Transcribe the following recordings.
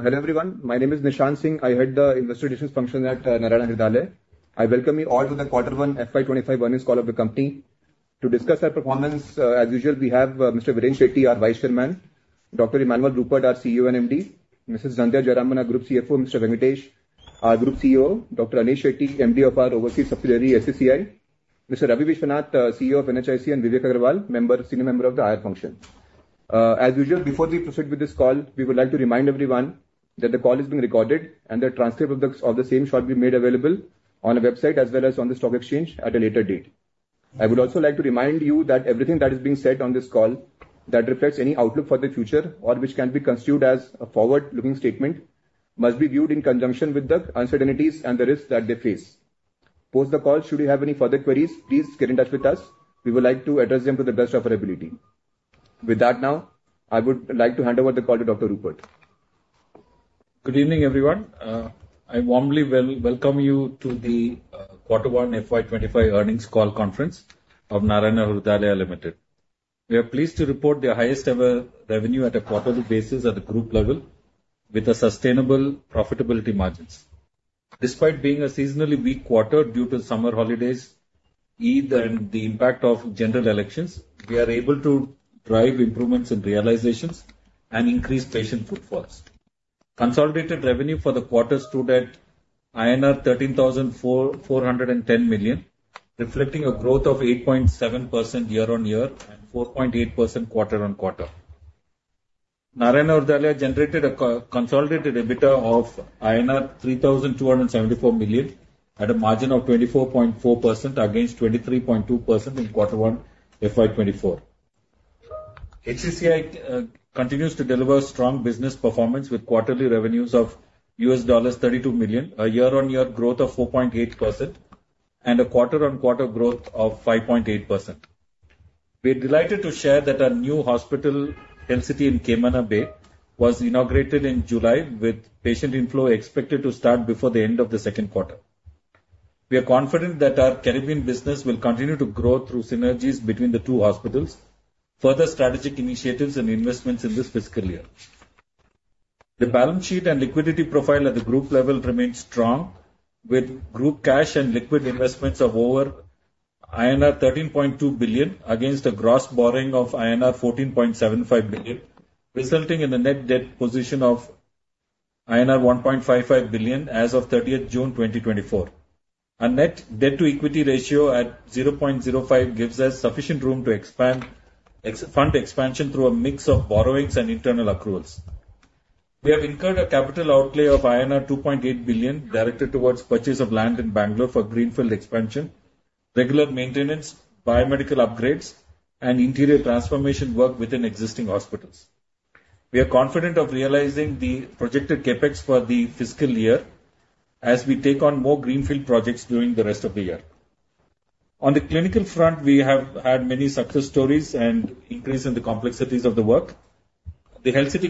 Hello everyone, my name is Nishant Singh. I head the Investor Relations function at Narayana Hrudayalaya. I welcome you all to the Quarter 1 FY25 earnings call of the company. To discuss our performance, as usual, we have Mr. Viren Shetty, our Vice Chairman, Dr. Emmanuel Rupert, our CEO and MD, Mrs. Sandhya J, Group CFO, Mr. R. Venkatesh, our Group COO, Dr. Anish Shetty, MD of our Overseas Subsidiary, HCCI, Mr. Ravi Vishwanath, CEO of NHIC, and Vivek Agarwal, Senior Manager of the IR function. As usual, before we proceed with this call, we would like to remind everyone that the call is being recorded and the transcript of the same shall be made available on our website as well as on the stock exchange at a later date. I would also like to remind you that everything that is being said on this call that reflects any outlook for the future or which can be construed as a forward-looking statement must be viewed in conjunction with the uncertainties and the risks that they face. Post the call, should you have any further queries, please get in touch with us. We would like to address them to the best of our ability. With that, now I would like to hand over the call to Dr. Rupert. Good evening, everyone. I warmly welcome you to the Quarter 1 FY2025 earnings call conference of Narayana Hrudayalaya Limited. We are pleased to report the highest ever revenue at a quarterly basis at the group level with sustainable profitability margins. Despite being a seasonally weak quarter due to summer holidays, Eid, and the impact of general elections, we are able to drive improvements in realizations and increase patient footfalls. Consolidated revenue for the quarter stood at INR 13,410 million, reflecting a growth of 8.7% year-on-year and 4.8% quarter-on-quarter. Narayana Hrudayalaya generated a consolidated EBITDA of INR 3,274 million at a margin of 24.4% against 23.2% in Quarter 1 FY24. HCCI continues to deliver strong business performance with quarterly revenues of $32 million, a year-on-year growth of 4.8%, and a quarter-on-quarter growth of 5.8%. We are delighted to share that our new hospital, Health City in Camana Bay, was inaugurated in July, with patient inflow expected to start before the end of the second quarter. We are confident that our Caribbean business will continue to grow through synergies between the two hospitals, further strategic initiatives, and investments in this fiscal year. The balance sheet and liquidity profile at the group level remains strong, with group cash and liquid investments of over INR 13.2 billion against a gross borrowing of INR 14.75 billion, resulting in a net debt position of INR 1.55 billion as of 30 June 2024. Our net debt-to-equity ratio at 0.05 gives us sufficient room to fund expansion through a mix of borrowings and internal accruals. We have incurred a capital outlay of INR 2.8 billion directed towards purchase of land in Bangalore for greenfield expansion, regular maintenance, biomedical upgrades, and interior transformation work within existing hospitals. We are confident of realizing the projected CAPEX for the fiscal year as we take on more greenfield projects during the rest of the year. On the clinical front, we have had many success stories and increase in the complexities of the work. The Health City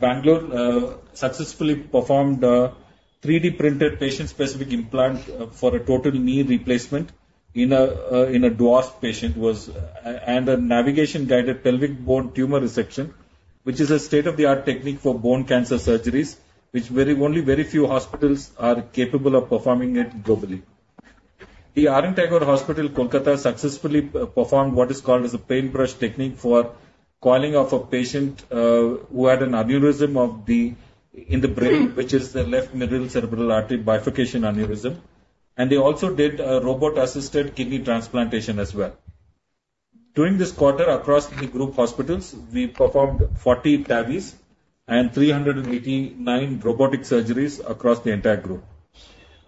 Bangalore successfully performed a 3D-printed patient-specific implant for a total knee replacement in a dwarf patient and a navigation-guided pelvic bone tumor resection, which is a state-of-the-art technique for bone cancer surgeries, which only very few hospitals are capable of performing globally. The Rabindranath Tagore Hospital, Kolkata successfully performed what is called a paintbrush technique for coiling of a patient who had an aneurysm in the brain, which is the left middle cerebral artery bifurcation aneurysm, and they also did a robot-assisted kidney transplantation as well. During this quarter, across the group hospitals, we performed 40 TAVIs and 389 robotic surgeries across the entire group.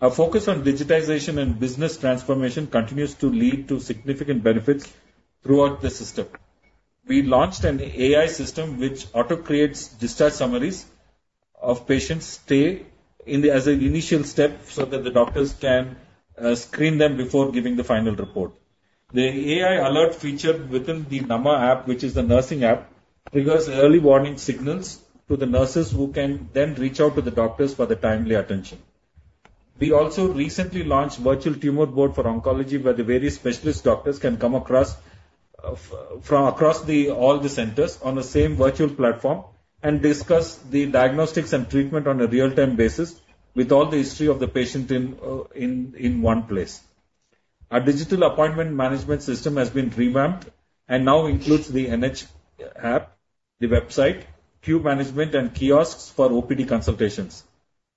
Our focus on digitization and business transformation continues to lead to significant benefits throughout the system. We launched an AI system which auto-creates discharge summaries of patients' stay as an initial step so that the doctors can screen them before giving the final report. The AI alert feature within the NH NaMa app, which is the nursing app, triggers early warning signals to the nurses who can then reach out to the doctors for the timely attention. We also recently launched a virtual tumor board for oncology where the various specialist doctors can come across all the centers on the same virtual platform and discuss the diagnostics and treatment on a real-time basis with all the history of the patient in one place. Our digital appointment management system has been revamped and now includes the NH App, the website, queue management, and kiosks for OPD consultations.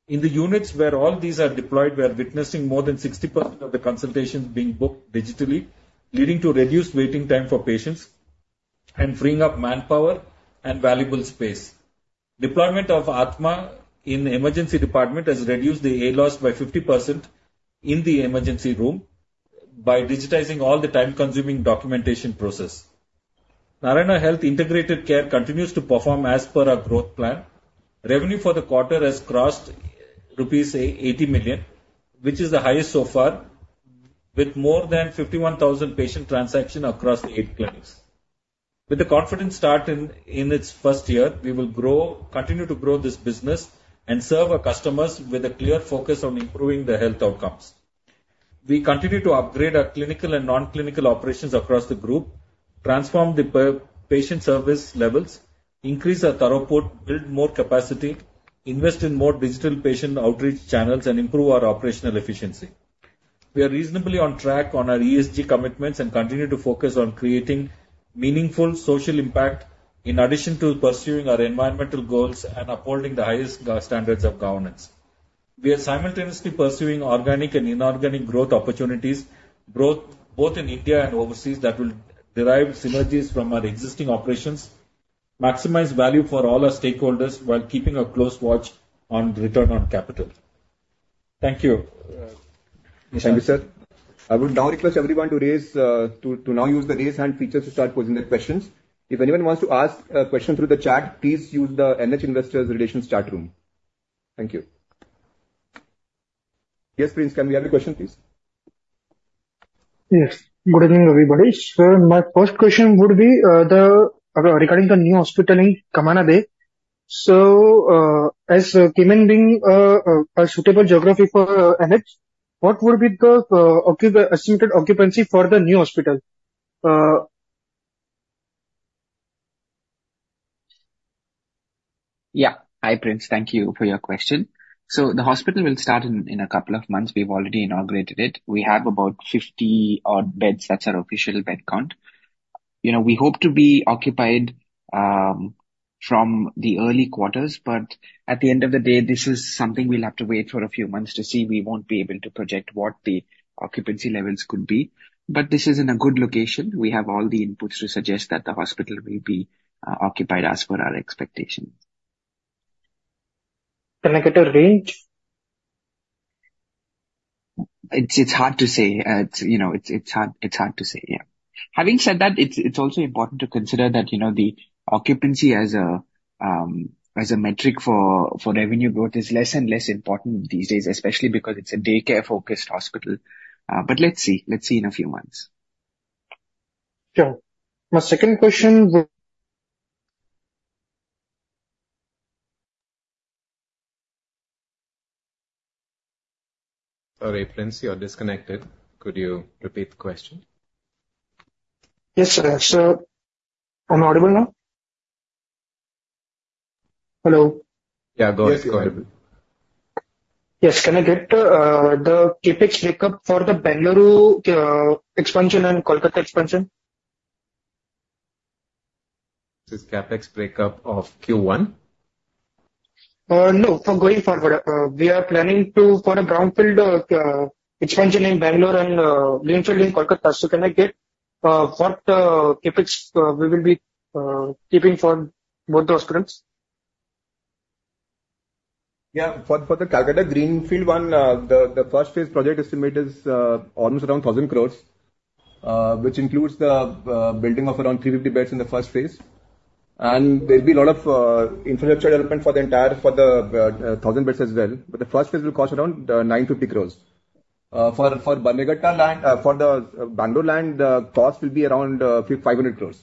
In the units where all these are deployed, we are witnessing more than 60% of the consultations being booked digitally, leading to reduced waiting time for patients and freeing up manpower and valuable space. Deployment of Athma in the emergency department has reduced the ALOS by 50% in the emergency room by digitizing all the time-consuming documentation process. Narayana Health Integrated Care continues to perform as per our growth plan. Revenue for the quarter has crossed rupees 80 million, which is the highest so far, with more than 51,000 patient transactions across the eight clinics. With the confident start in its first year, we will continue to grow this business and serve our customers with a clear focus on improving the health outcomes. We continue to upgrade our clinical and non-clinical operations across the group, transform the patient service levels, increase our ARPOB, build more capacity, invest in more digital patient outreach channels, and improve our operational efficiency. We are reasonably on track on our ESG commitments and continue to focus on creating meaningful social impact in addition to pursuing our environmental goals and upholding the highest standards of governance. We are simultaneously pursuing organic and inorganic growth opportunities, both in India and overseas, that will derive synergies from our existing operations, maximize value for all our stakeholders while keeping a close watch on return on capital. Thank you. Thank you, sir. I would now request everyone to now use the raise hand feature to start posing their questions. If anyone wants to ask a question through the chat, please use the NH Investor Relations chat room. Thank you. Yes, Prince, can we have your question, please? Yes. Good evening, everybody. Sir, my first question would be regarding the new hospital in Camana Bay. So, as Cayman being a suitable geography for NH, what would be the estimated occupancy for the new hospital? Yeah. Hi, Prince. Thank you for your question. So, the hospital will start in a couple of months. We've already inaugurated it. We have about 50 beds. That's our official bed count. We hope to be occupied from the early quarters, but at the end of the day, this is something we'll have to wait for a few months to see. We won't be able to project what the occupancy levels could be, but this is in a good location. We have all the inputs to suggest that the hospital will be occupied as per our expectation. Can I get a range? It's hard to say. It's hard to say, yeah. Having said that, it's also important to consider that the occupancy as a metric for revenue growth is less and less important these days, especially because it's a daycare-focused hospital. But let's see. Let's see in a few months. Sure. My second question will. Sorry, Prince, you're disconnected. Could you repeat the question? Yes, sir. Sir, I'm audible now? Hello. Yeah, go ahead. Yes, go ahead. Yes, can I get the CAPEX breakup for the Bangalore expansion and Kolkata expansion? This is CAPEX breakup of Q1? No, for going forward. We are planning for a brownfield expansion in Bangalore and greenfield in Kolkata. So, can I get what CAPEX we will be keeping for both those grants? Yeah, for the Kolkata greenfield one, the first phase project estimate is almost around 1,000 crore, which includes the building of around 350 beds in the first phase. There will be a lot of infrastructure development for the entire 1,000 beds as well. But the first phase will cost around 950 crore. For Bangalore land, the cost will be around 500 crore.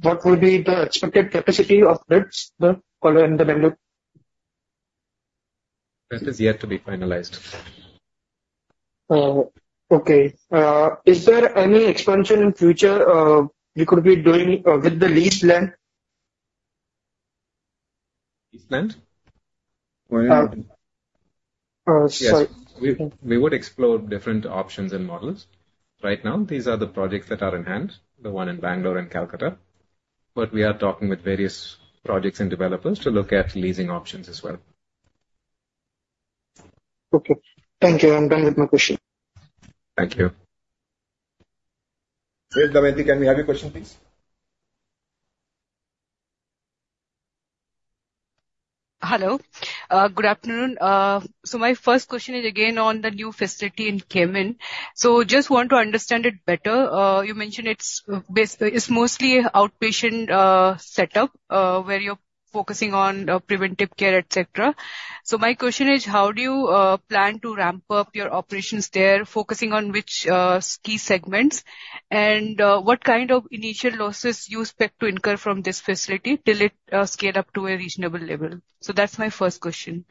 What will be the expected capacity of beds in Bangalore? This is yet to be finalized. Okay. Is there any expansion in the future we could be doing with the leased land? Leased land? Yes. We would explore different options and models. Right now, these are the projects that are in hand, the one in Bangalore and Kolkata. But we are talking with various projects and developers to look at leasing options as well. Okay. Thank you. I'm done with my question. Thank you. Damayanti, can we have your question, please? Hello. Good afternoon. My first question is again on the new facility in Cayman. Just want to understand it better. You mentioned it's mostly an outpatient setup where you're focusing on preventive care, etc. My question is, how do you plan to ramp up your operations there, focusing on which key segments, and what kind of initial losses do you expect to incur from this facility till it scales up to a reasonable level? That's my first question.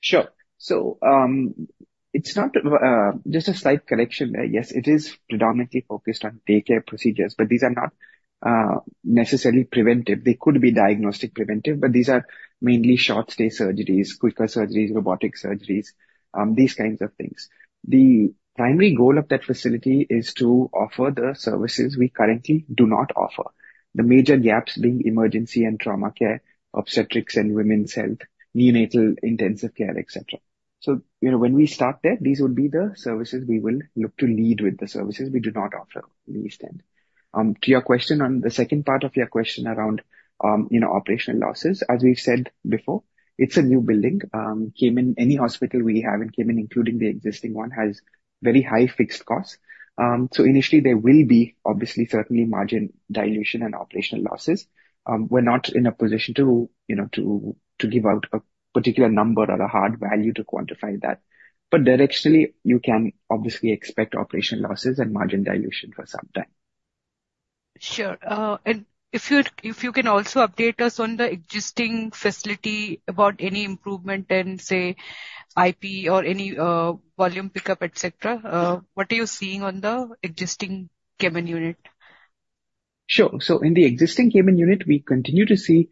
Sure. So, it's not just a slight correction there. Yes, it is predominantly focused on daycare procedures, but these are not necessarily preventive. They could be diagnostic preventive, but these are mainly short-stay surgeries, quicker surgeries, robotic surgeries, these kinds of things. The primary goal of that facility is to offer the services we currently do not offer. The major gaps being emergency and trauma care, obstetrics and women's health, neonatal intensive care, etc. So, when we start there, these would be the services we will look to lead with, the services we do not offer, at least. To your question on the second part of your question around operational losses, as we've said before, it's a new building. Cayman, any hospital we have in Cayman, including the existing one, has very high fixed costs. So, initially, there will be, obviously, certainly margin dilution and operational losses. We're not in a position to give out a particular number or a hard value to quantify that. But directionally, you can obviously expect operational losses and margin dilution for some time. Sure. And if you can also update us on the existing facility about any improvement in, say, IP or any volume pickup, etc., what are you seeing on the existing Cayman unit? Sure. So, in the existing Cayman unit, we continue to see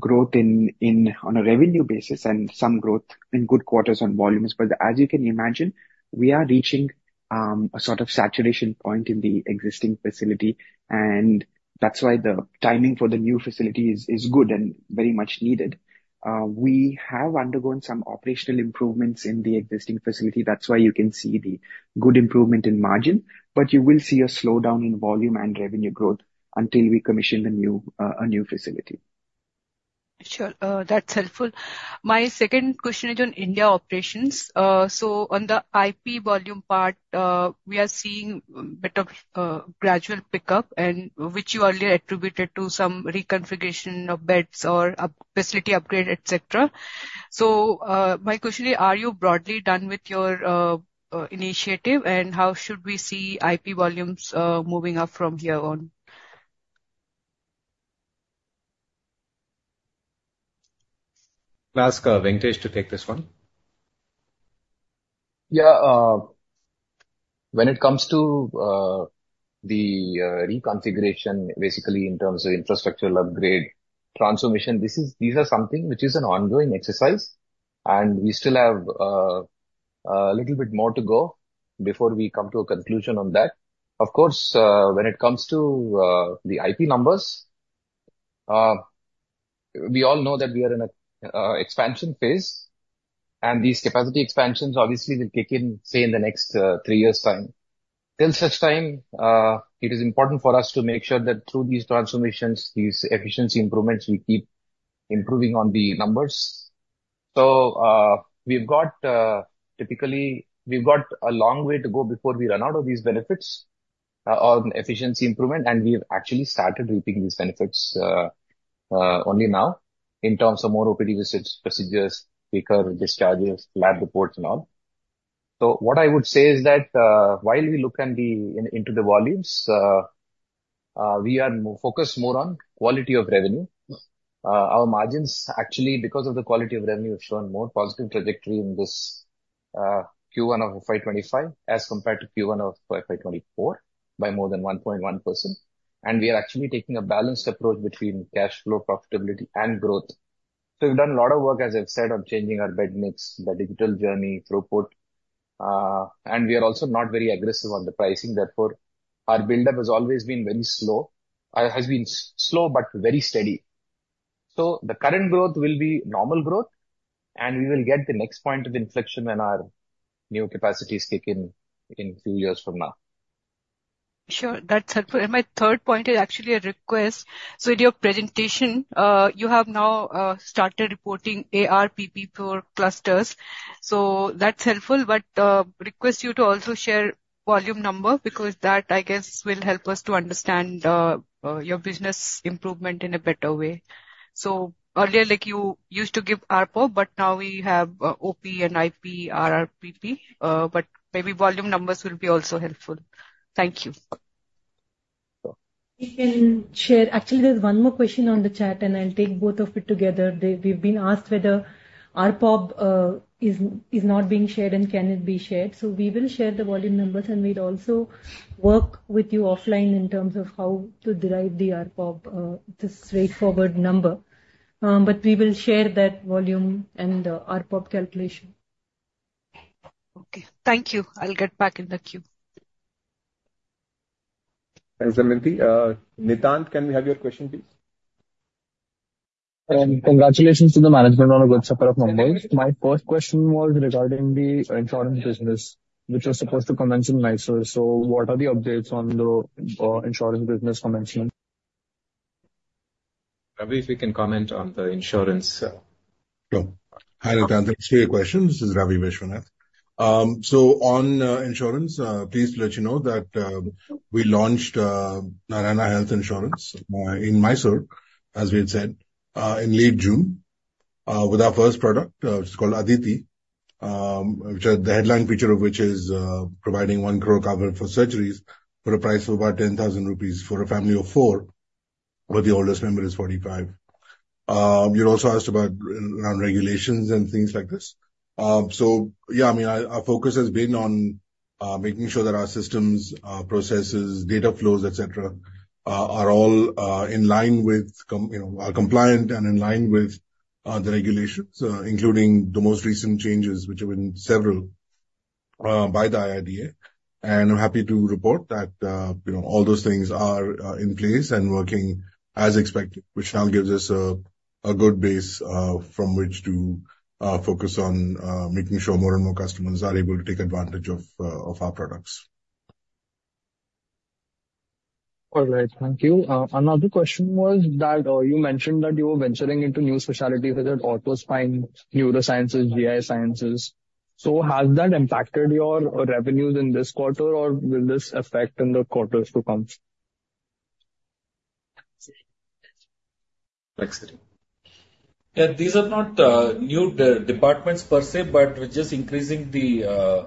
growth on a revenue basis and some growth in good quarters on volumes. But as you can imagine, we are reaching a sort of saturation point in the existing facility, and that's why the timing for the new facility is good and very much needed. We have undergone some operational improvements in the existing facility. That's why you can see the good improvement in margin. But you will see a slowdown in volume and revenue growth until we commission a new facility. Sure. That's helpful. My second question is on India operations. So, on the IP volume part, we are seeing a bit of gradual pickup, which you earlier attributed to some reconfiguration of beds or facility upgrade, etc. So, my question is, are you broadly done with your initiative, and how should we see IP volumes moving up from here on? I'll ask Venkatesh to take this one. Yeah. When it comes to the reconfiguration, basically in terms of infrastructure upgrade, transformation, these are something which is an ongoing exercise, and we still have a little bit more to go before we come to a conclusion on that. Of course, when it comes to the IP numbers, we all know that we are in an expansion phase, and these capacity expansions obviously will kick in, say, in the next 3 years' time. Till such time, it is important for us to make sure that through these transformations, these efficiency improvements, we keep improving on the numbers. So, typically, we've got a long way to go before we run out of these benefits on efficiency improvement, and we've actually started reaping these benefits only now in terms of more OPD procedures, quicker discharges, lab reports, and all. So, what I would say is that while we look into the volumes, we are focused more on quality of revenue. Our margins, actually, because of the quality of revenue, have shown more positive trajectory in this Q1 of FY2025 as compared to Q1 of FY2024 by more than 1.1%. And we are actually taking a balanced approach between cash flow, profitability, and growth. So, we've done a lot of work, as I've said, on changing our bed mix, the digital journey, throughput. And we are also not very aggressive on the pricing. Therefore, our buildup has always been very slow. It has been slow but very steady. So, the current growth will be normal growth, and we will get the next point of inflection when our new capacities kick in a few years from now. Sure. That's helpful. My third point is actually a request. In your resentation, you have now started reporting ARPP for clusters. That's helpful. Request you to also share volume number because that, I guess, will help us to understand your business improvement in a better way. Earlier, you used to give ARPO, but now we have OP and IP, RRPP. Maybe volume numbers will be also helpful. Thank you. We can share. Actually, there's one more question on the chat, and I'll take both of it together. We've been asked whether ARPO is not being shared and can it be shared. So, we will share the volume numbers, and we'll also work with you offline in terms of how to derive the ARPO, just straightforward number. But we will share that volume and the ARPO calculation. Okay. Thank you. I'll get back in the queue. Thanks, Damayanti. Nishant, can we have your question, please? Congratulations to the management on a good quarter in Mumbai. My first question was regarding the insurance business, which was supposed to commence in Mysore. So, what are the updates on the insurance business commence? Ravi, if you can comment on the insurance. Sure. Hi, Nishant. Thanks for your question. This is Ravi Vishwanath. So, on insurance, please let you know that we launched Narayana Health Insurance in Mysore, as we had said, in late June, with our first product, which is called Aditi, which the headline feature of which is providing ₹1 crore cover for surgeries for a price of about ₹10,000 for a family of four, but the oldest member is 45. You also asked about regulations and things like this. So, yeah, I mean, our focus has been on making sure that our systems, processes, data flows, etc., are all in line with compliance and in line with the regulations, including the most recent changes, which have been several by the IRDA. I'm happy to report that all those things are in place and working as expected, which now gives us a good base from which to focus on making sure more and more customers are able to take advantage of our products. All right. Thank you. Another question was that you mentioned that you were venturing into new specialties such as ortho-spine, neurosciences, GI sciences. So, has that impacted your revenues in this quarter, or will this affect in the quarters to come? Excellent. Yeah, these are not new departments per se, but we're just increasing the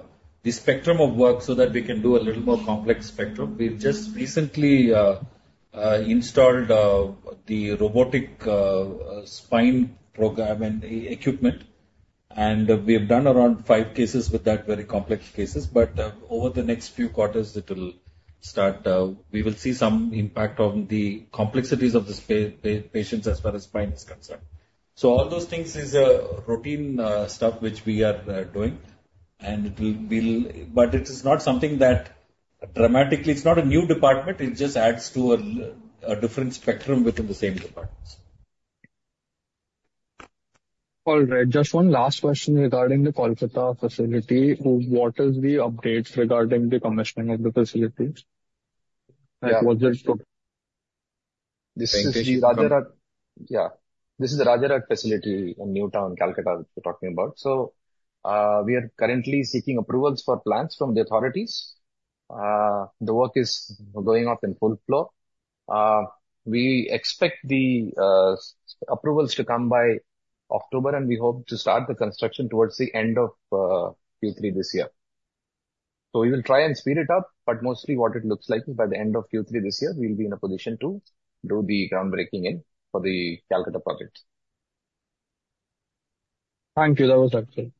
spectrum of work so that we can do a little more complex spectrum. We've just recently installed the robotic spine program and equipment, and we have done around 5 cases with that, very complex cases. But over the next few quarters, we will see some impact on the complexities of the patients as far as spine is concerned. So, all those things is routine stuff which we are doing. But it is not something that dramatically it's not a new department. It just adds to a different spectrum within the same departments. All right. Just one last question regarding the Kolkata facility. What are the updates regarding the commissioning of the facilities? This is the Rajarhat facility in New Town, Kolkata, we're talking about. So, we are currently seeking approvals for plans from the authorities. The work is going up in full flow. We expect the approvals to come by October, and we hope to start the construction towards the end of Q3 this year. So, we will try and speed it up, but mostly what it looks like is by the end of Q3 this year, we'll be in a position to do the groundbreaking for the Kolkata project. Thank you. That was excellent.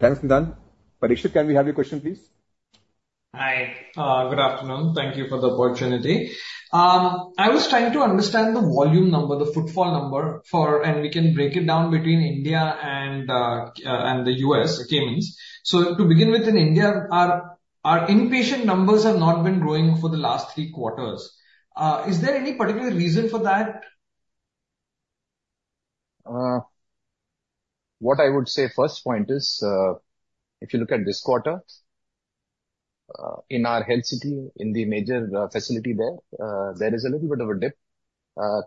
Thanks, Nishant. Parikshit, can we have your question, please? Hi. Good afternoon. Thank you for the opportunity. I was trying to understand the volume number, the footfall number, and we can break it down between India and the U.S., Caymans. So, to begin with, in India, our inpatient numbers have not been growing for the last three quarters. Is there any particular reason for that? What I would say, first point is, if you look at this quarter, in our Health City, in the major facility there, there is a little bit of a dip.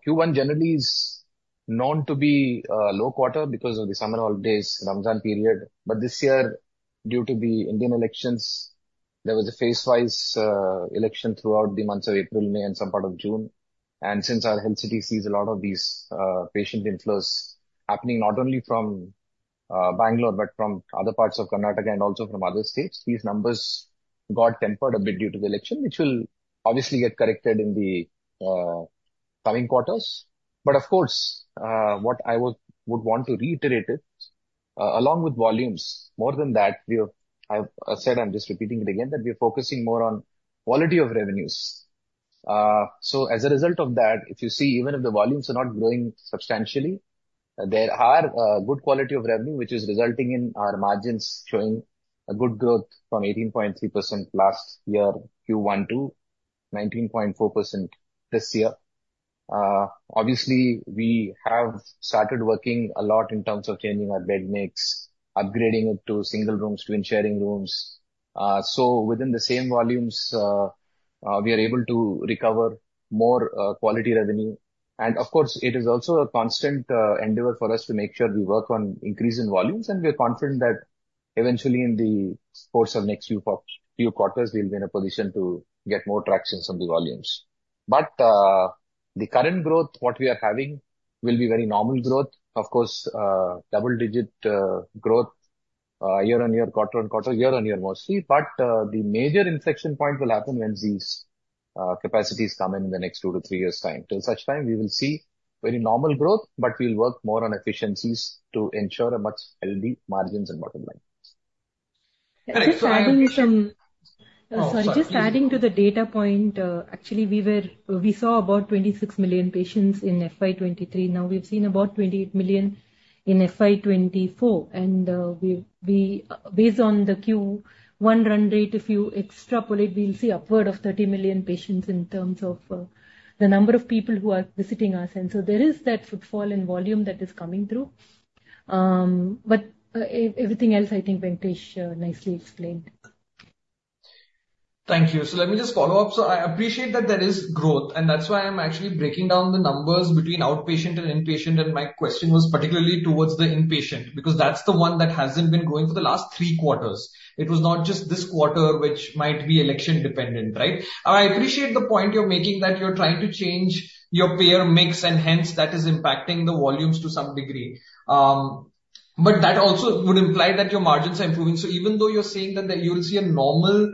Q1 generally is known to be a low quarter because of the summer holidays, Ramadan period. But this year, due to the Indian elections, there was a phase-wise election throughout the months of April, May, and some part of June. And since our Health City sees a lot of these patient inflows happening not only from Bangalore but from other parts of Karnataka and also from other states, these numbers got tempered a bit due to the election, which will obviously get corrected in the coming quarters. But of course, what I would want to reiterate is, along with volumes, more than that, I said I'm just repeating it again, that we're focusing more on quality of revenues. So, as a result of that, if you see, even if the volumes are not growing substantially, there are good quality of revenue, which is resulting in our margins showing a good growth from 18.3% last year, Q1 to 19.4% this year. Obviously, we have started working a lot in terms of changing our bed mix, upgrading it to single rooms, twin sharing rooms. So, within the same volumes, we are able to recover more quality revenue. And of course, it is also a constant endeavor for us to make sure we work on increasing volumes, and we are confident that eventually, in the course of the next few quarters, we'll be in a position to get more traction from the volumes. But the current growth, what we are having, will be very normal growth. Of course, double-digit growth year-on-year, quarter-on-quarter, year-on-year mostly. But the major inflection point will happen when these capacities come in the next 2-3 years' time. Till such time, we will see very normal growth, but we'll work more on efficiencies to ensure much healthy margins and bottom line. Sorry, just adding to the data point. Actually, we saw about 26 million patients in FY 2023. Now, we've seen about 28 million in FY 2024. And based on the Q1 run rate, if you extrapolate, we'll see upward of 30 million patients in terms of the number of people who are visiting us. And so, there is that footfall and volume that is coming through. But everything else, I think Venkatesh nicely explained. Thank you. Let me just follow up. I appreciate that there is growth, and that's why I'm actually breaking down the numbers between outpatient and inpatient. My question was particularly towards the inpatient because that's the one that hasn't been growing for the last three quarters. It was not just this quarter, which might be election-dependent, right? I appreciate the point you're making that you're trying to change your payer mix, and hence, that is impacting the volumes to some degree. But that also would imply that your margins are improving. Even though you're saying that you'll see a normal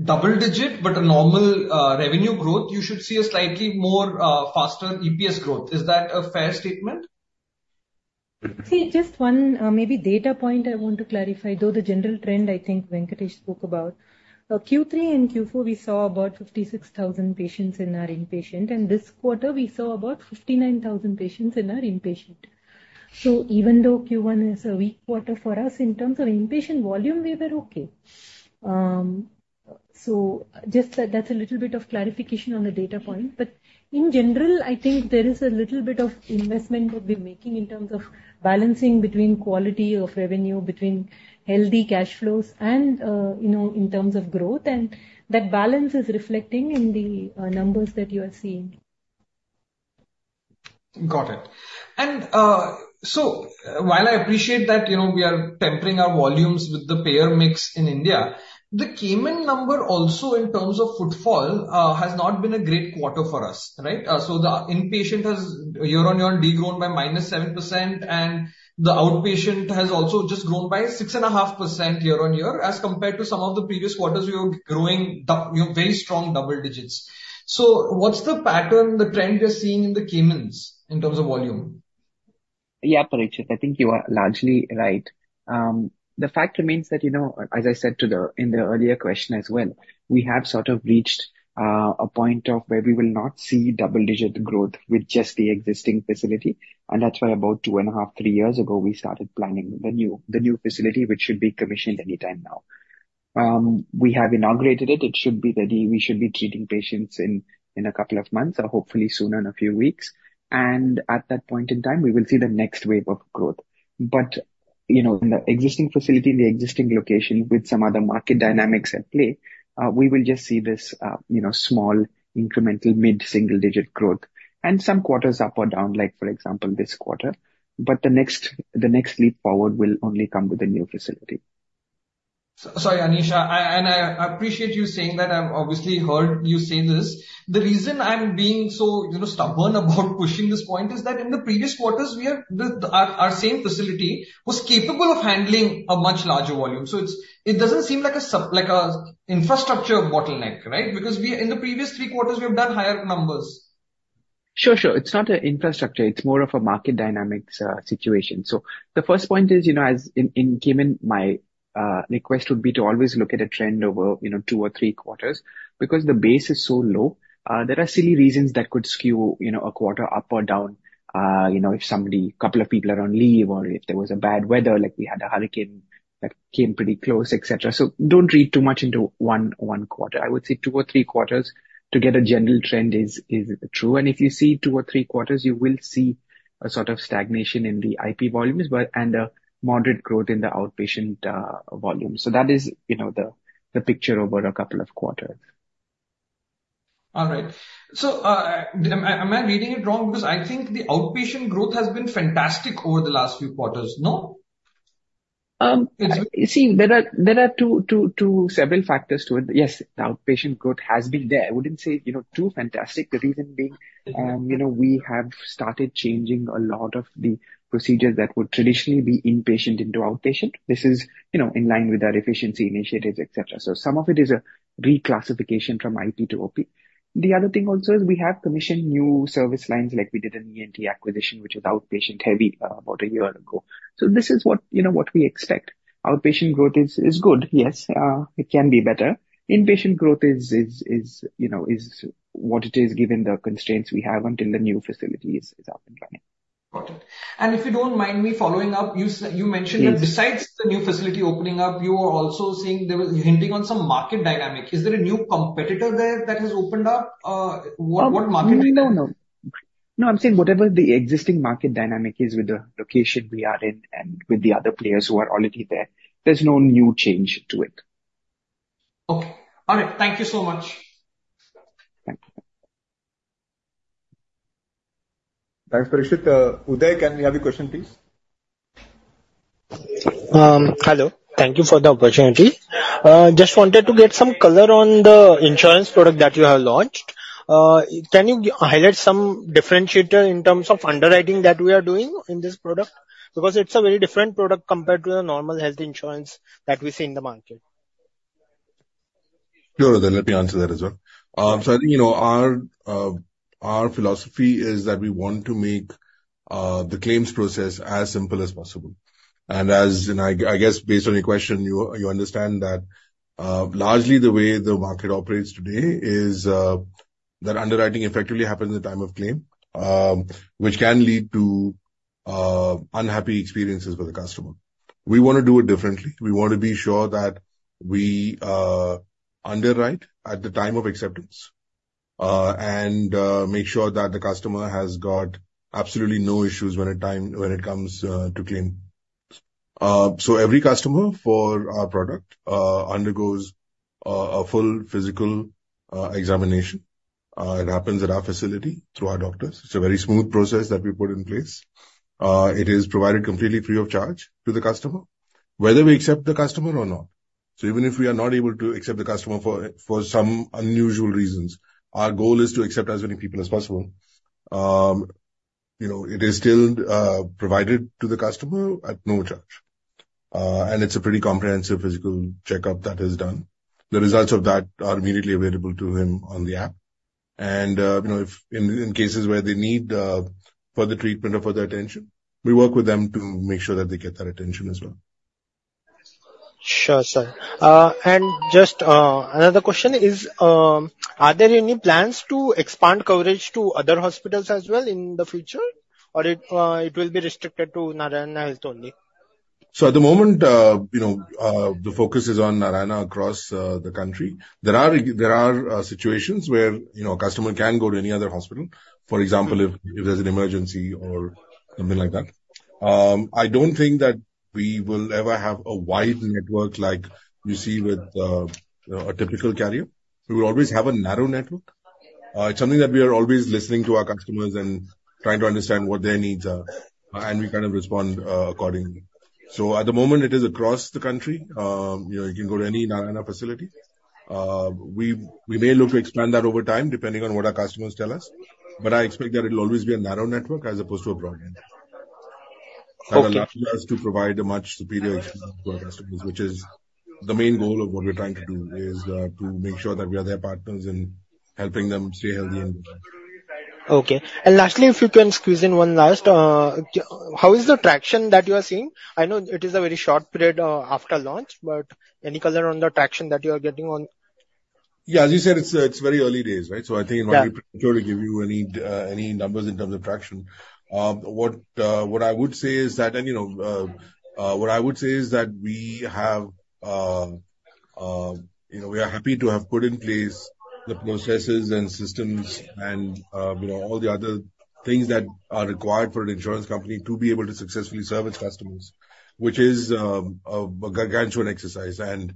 double-digit but a normal revenue growth, you should see a slightly more faster EPS growth. Is that a fair statement? See, just one maybe data point I want to clarify. Though the general trend, I think Venkatesh spoke about, Q3 and Q4, we saw about 56,000 patients in our inpatient. And this quarter, we saw about 59,000 patients in our inpatient. So, even though Q1 is a weak quarter for us, in terms of inpatient volume, we were okay. So, just that's a little bit of clarification on the data point. But in general, I think there is a little bit of investment that we're making in terms of balancing between quality of revenue, between healthy cash flows, and in terms of growth. And that balance is reflecting in the numbers that you are seeing. Got it. And so, while I appreciate that we are tempering our volumes with the payer mix in India, the Cayman number also in terms of footfall has not been a great quarter for us, right? So, the inpatient has year-on-year degrown by -7%, and the outpatient has also just grown by 6.5% year-on-year as compared to some of the previous quarters where you're growing very strong double digits. So, what's the pattern, the trend you're seeing in the Caymans in terms of volume? Yeah, Parikshit, I think you are largely right. The fact remains that, as I said in the earlier question as well, we have sort of reached a point of where we will not see double-digit growth with just the existing facility. And that's why about 2.5-3 years ago, we started planning the new facility, which should be commissioned anytime now. We have inaugurated it. We should be treating patients in a couple of months or hopefully sooner in a few weeks. And at that point in time, we will see the next wave of growth. But in the existing facility, in the existing location, with some other market dynamics at play, we will just see this small incremental mid-single-digit growth and some quarters up or down, like for example, this quarter. But the next leap forward will only come with a new facility. Sorry, Anish. I appreciate you saying that. I've obviously heard you say this. The reason I'm being so stubborn about pushing this point is that in the previous quarters, our same facility was capable of handling a much larger volume. So, it doesn't seem like an infrastructure bottleneck, right? Because in the previous three quarters, we have done higher numbers. Sure, sure. It's not an infrastructure. It's more of a market dynamics situation. So, the first point is, in Cayman, my request would be to always look at a trend over two or three quarters because the base is so low. There are silly reasons that could skew a quarter up or down if a couple of people are on leave or if there was bad weather, like we had a hurricane that came pretty close, etc. So, don't read too much into one quarter. I would say two or three quarters to get a general trend is true. And if you see two or three quarters, you will see a sort of stagnation in the IP volumes and a moderate growth in the outpatient volume. So, that is the picture over a couple of quarters. All right. So, am I reading it wrong? Because I think the outpatient growth has been fantastic over the last few quarters. No? See, there are several factors to it. Yes, the outpatient growth has been there. I wouldn't say too fantastic, the reason being we have started changing a lot of the procedures that would traditionally be inpatient into outpatient. This is in line with our efficiency initiatives, etc. So, some of it is a reclassification from IP to OP. The other thing also is we have commissioned new service lines, like we did an ENT acquisition, which was outpatient-heavy about a year ago. So, this is what we expect. Outpatient growth is good. Yes, it can be better. Inpatient growth is what it is given the constraints we have until the new facility is up and running. Got it. And if you don't mind me following up, you mentioned that besides the new facility opening up, you were also hinting on some market dynamic. Is there a new competitor there that has opened up? What market dynamic? No, I'm saying whatever the existing market dynamic is with the location we are in and with the other players who are already there, there's no new change to it. Okay. All right. Thank you so much. Thanks, Parikshit. Uday, can you have your question, please? Hello. Thank you for the opportunity. Just wanted to get some color on the insurance product that you have launched. Can you highlight some differentiator in terms of underwriting that we are doing in this product? Because it's a very different product compared to the normal health insurance that we see in the market. Sure. Let me answer that as well. Our philosophy is that we want to make the claims process as simple as possible. I guess based on your question, you understand that largely the way the market operates today is that underwriting effectively happens at the time of claim, which can lead to unhappy experiences for the customer. We want to do it differently. We want to be sure that we underwrite at the time of acceptance and make sure that the customer has got absolutely no issues when it comes to claim. Every customer for our product undergoes a full physical examination. It happens at our facility through our doctors. It's a very smooth process that we put in place. It is provided completely free of charge to the customer, whether we accept the customer or not. So, even if we are not able to accept the customer for some unusual reasons, our goal is to accept as many people as possible. It is still provided to the customer at no charge. It's a pretty comprehensive physical checkup that is done. The results of that are immediately available to him on the app. In cases where they need further treatment or further attention, we work with them to make sure that they get that attention as well. Sure, sir. Just another question is, are there any plans to expand coverage to other hospitals as well in the future, or it will be restricted to Narayana Health only? So, at the moment, the focus is on Narayana across the country. There are situations where a customer can go to any other hospital, for example, if there's an emergency or something like that. I don't think that we will ever have a wide network like you see with a typical carrier. We will always have a narrow network. It's something that we are always listening to our customers and trying to understand what their needs are, and we kind of respond accordingly. So, at the moment, it is across the country. You can go to any Narayana facility. We may look to expand that over time depending on what our customers tell us. But I expect that it will always be a narrow network as opposed to a broad network. Our customers to provide a much superior experience to our customers, which is the main goal of what we're trying to do, is to make sure that we are their partners in helping them stay healthy and good. Okay. And lastly, if you can squeeze in one last, how is the traction that you are seeing? I know it is a very short period after launch, but any color on the traction that you are getting on? Yeah, as you said, it's very early days, right? So I think it might be premature to give you any numbers in terms of traction. What I would say is that we are happy to have put in place the processes and systems and all the other things that are required for an insurance company to be able to successfully service customers, which is a gargantuan exercise. And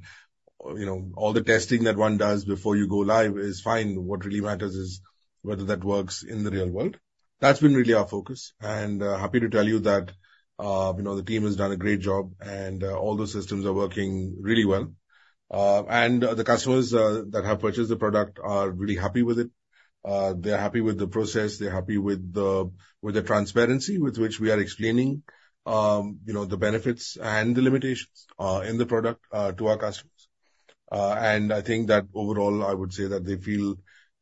all the testing that one does before you go live is fine. What really matters is whether that works in the real world. That's been really our focus. And happy to tell you that the team has done a great job, and all those systems are working really well. And the customers that have purchased the product are really happy with it. They're happy with the process. They're happy with the transparency with which we are explaining the benefits and the limitations in the product to our customers. I think that overall, I would say that they feel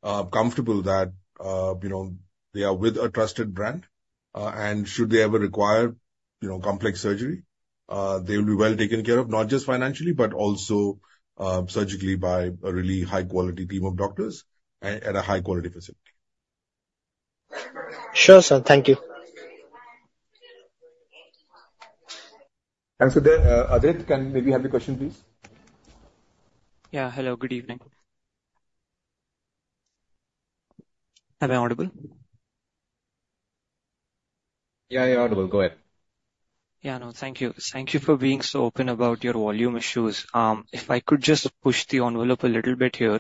comfortable that they are with a trusted brand. Should they ever require complex surgery, they will be well taken care of, not just financially, but also surgically by a really high-quality team of doctors at a high-quality facility. Sure, sir. Thank you. And so, there, Adit, can maybe have your question, please? Yeah. Hello. Good evening. Am I audible? Yeah, you're audible. Go ahead. Yeah. No, thank you. Thank you for being so open about your volume issues. If I could just push the envelope a little bit here.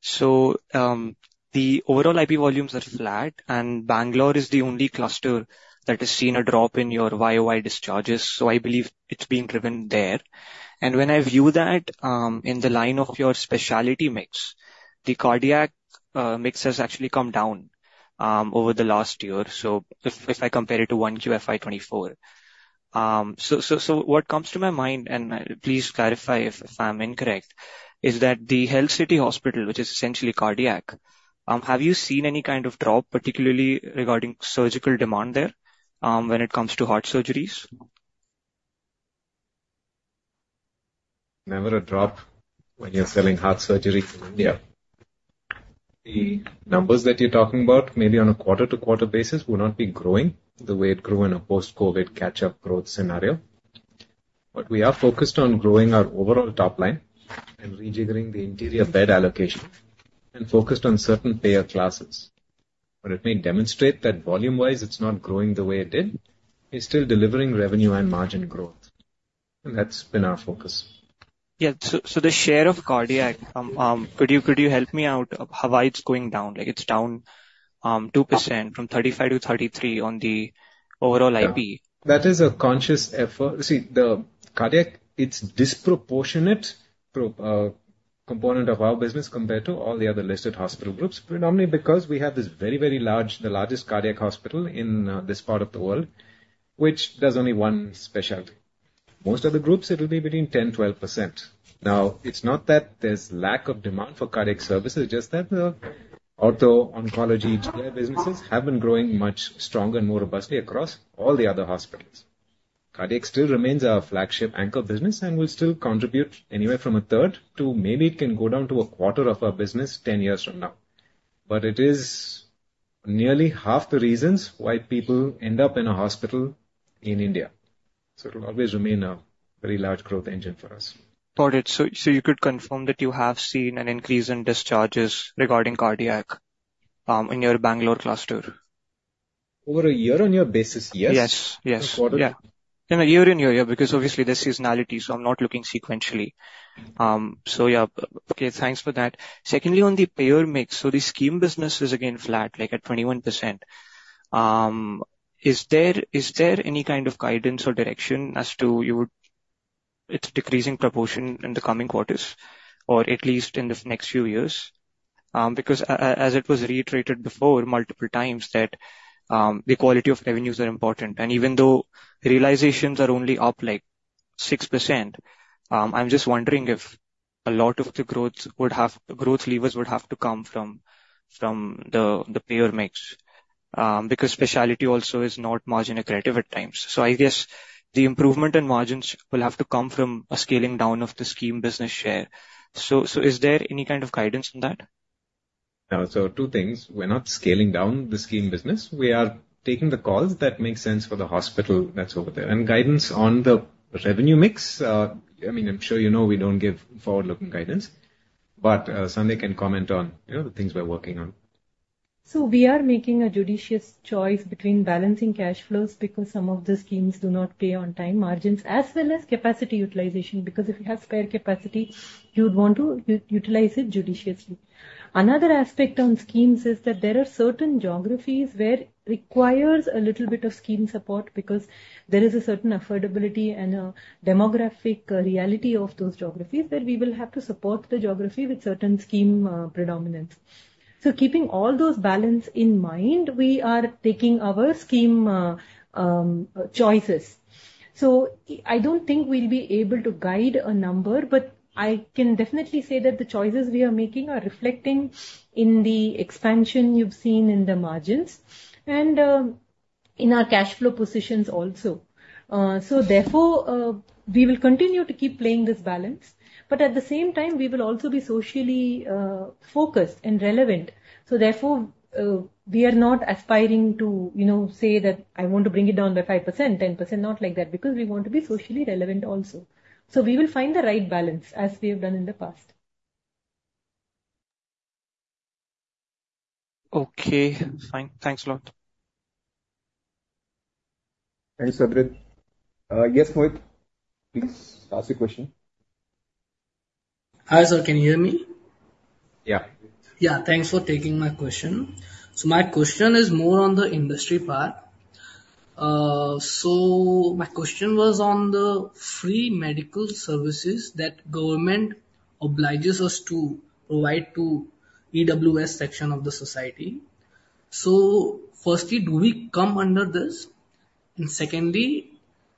So, the overall IP volumes are flat, and Bangalore is the only cluster that has seen a drop in your YoY discharges. So, I believe it's being driven there. And when I view that in the line of your specialty mix, the cardiac mix has actually come down over the last year. So, if I compare it to 1Q FY24. So, what comes to my mind, and please clarify if I'm incorrect, is that the Health City Hospital, which is essentially cardiac, have you seen any kind of drop, particularly regarding surgical demand there when it comes to heart surgeries? Never a drop when you're selling heart surgery in India. The numbers that you're talking about, maybe on a quarter-to-quarter basis, will not be growing the way it grew in a post-COVID catch-up growth scenario. But we are focused on growing our overall top line and rejiggering the interior bed allocation and focused on certain payer classes. But it may demonstrate that volume-wise, it's not growing the way it did. It's still delivering revenue and margin growth. And that's been our focus. Yeah. So, the share of cardiac, could you help me out of how wide it's going down? It's down 2% from 35-33 on the overall IP. That is a conscious effort. See, the cardiac, it's a disproportionate component of our business compared to all the other listed hospital groups, predominantly because we have this very, very large, the largest cardiac hospital in this part of the world, which does only one specialty. Most of the groups, it will be between 10%-12%. Now, it's not that there's a lack of demand for cardiac services, just that the ortho-oncology businesses have been growing much stronger and more robustly across all the other hospitals. Cardiac still remains our flagship anchor business and will still contribute anywhere from a third to maybe it can go down to a quarter of our business 10 years from now. But it is nearly half the reasons why people end up in a hospital in India. So, it will always remain a very large growth engine for us. Got it. So, you could confirm that you have seen an increase in discharges regarding cardiac in your Bangalore cluster? Over a year on your basis, yes. Yes. A quarter? Yeah. Yeah, year-on-year, yeah, because obviously there's seasonality, so I'm not looking sequentially. So, yeah. Okay. Thanks for that. Secondly, on the payer mix, so the scheme business is again flat, like at 21%. Is there any kind of guidance or direction as to your decreasing proportion in the coming quarters or at least in the next few years? Because as it was reiterated before multiple times that the quality of revenues are important. And even though realizations are only up like 6%, I'm just wondering if a lot of the growth levers would have to come from the payer mix because specialty also is not margin-accretive at times. So, I guess the improvement in margins will have to come from a scaling down of the scheme business share. So, is there any kind of guidance on that? So, two things. We're not scaling down the scheme business. We are taking the calls that make sense for the hospital that's over there. And guidance on the revenue mix, I mean, I'm sure you know we don't give forward-looking guidance, but Sandhya can comment on the things we're working on. So, we are making a judicious choice between balancing cash flows because some of the schemes do not pay on time margins as well as capacity utilization because if you have spare capacity, you would want to utilize it judiciously. Another aspect on schemes is that there are certain geographies where it requires a little bit of scheme support because there is a certain affordability and a demographic reality of those geographies that we will have to support the geography with certain scheme predominance. So, keeping all those balance in mind, we are taking our scheme choices. So, I don't think we'll be able to guide a number, but I can definitely say that the choices we are making are reflecting in the expansion you've seen in the margins and in our cash flow positions also. So, therefore, we will continue to keep playing this balance. But at the same time, we will also be socially focused and relevant. So, therefore, we are not aspiring to say that I want to bring it down by 5%, 10%, not like that because we want to be socially relevant also. So, we will find the right balance as we have done in the past. Okay. Thanks a lot. Thanks, Adit. Yes, Mohit, please ask your question. Hi, sir. Can you hear me? Yeah. Yeah. Thanks for taking my question. So, my question is more on the industry part. So, my question was on the free medical services that government obliges us to provide to EWS section of the society. So, firstly, do we come under this? And secondly,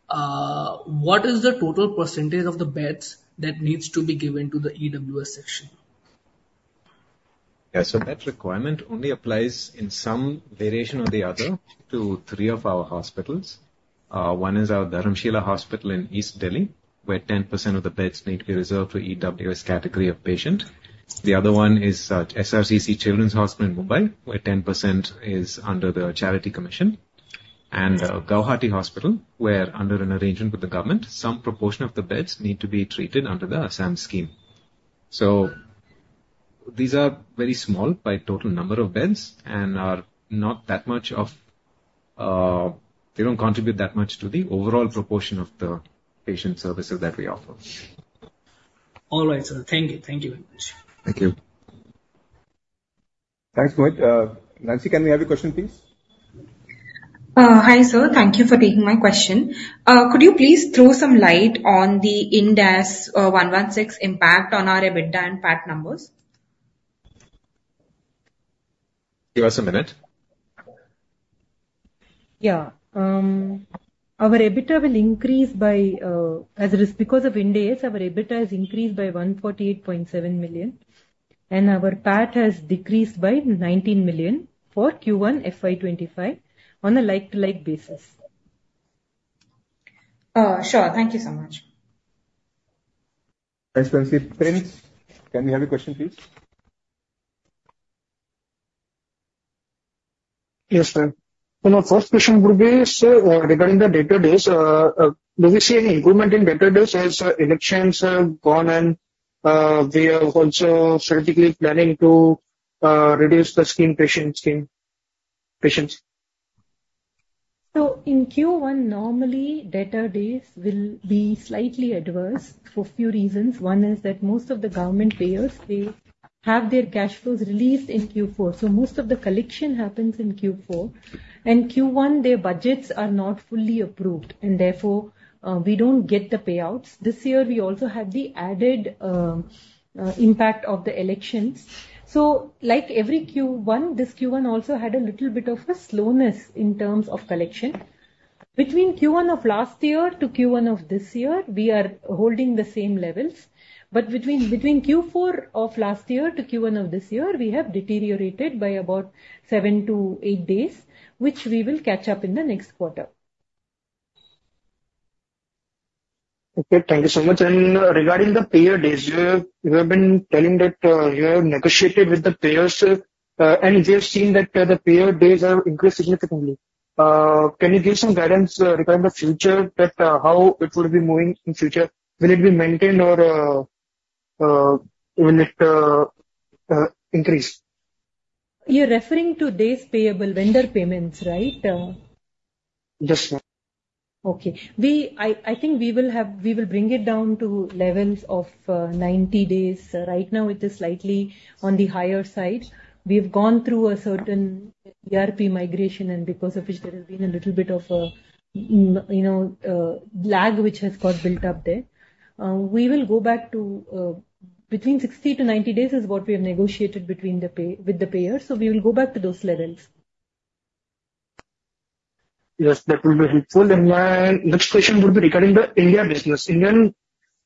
what is the total percentage of the beds that needs to be given to the EWS section? Yeah. So, that requirement only applies in some variation or the other to three of our hospitals. One is our Dharamshila Hospital in East Delhi, where 10% of the beds need to be reserved for EWS category of patient. The other one is SRCC Children's Hospital in Mumbai, where 10% is under the charity commission. And Guwahati Hospital, where under an arrangement with the government, some proportion of the beds need to be treated under the Assam scheme. So, these are very small by total number of beds and are not that much of, they don't contribute that much to the overall proportion of the patient services that we offer. All right, sir. Thank you. Thank you very much. Thank you. Thanks, Mohit. Nancy, can we have your question, please? Hi, sir. Thank you for taking my question. Could you please throw some light on the Ind AS 116 impact on our EBITDA and PAT numbers? Give us a minute. Yeah. Our EBITDA will increase by, because of Ind AS, our EBITDA has increased by 148.7 million. Our PAT has decreased by 19 million for Q1 FY 2025 on a like-to-like basis. Sure. Thank you so much. Thanks, Nancy. Prince, can we have your question, please? Yes, sir. So, my first question would be, sir, regarding the bed days, do we see any improvement in bed days as elections have gone and we are also strategically planning to reduce the scheme patients? So, in Q1, normally, debtor days will be slightly adverse for a few reasons. One is that most of the government payers, they have their cash flows released in Q4. So, most of the collection happens in Q4. And Q1, their budgets are not fully approved. And therefore, we don't get the payouts. This year, we also had the added impact of the elections. So, like every Q1, this Q1 also had a little bit of a slowness in terms of collection. Between Q1 of last year-Q1 of this year, we are holding the same levels. But between Q4 of last year-Q1 of this year, we have deteriorated by about 7-8 days, which we will catch up in the next quarter. Okay. Thank you so much. Regarding the payer days, you have been telling that you have negotiated with the payers, and we have seen that the payer days have increased significantly. Can you give some guidance regarding the future, how it will be moving in the future? Will it be maintained or will it increase? You're referring to day's payable vendor payments, right? Yes, ma'am. Okay. I think we will bring it down to levels of 90 days. Right now, it is slightly on the higher side. We have gone through a certain ERP migration, and because of which there has been a little bit of a lag which has got built up there. We will go back to between 60-90 days is what we have negotiated with the payers. So, we will go back to those levels. Yes, that will be helpful. My next question would be regarding the India business.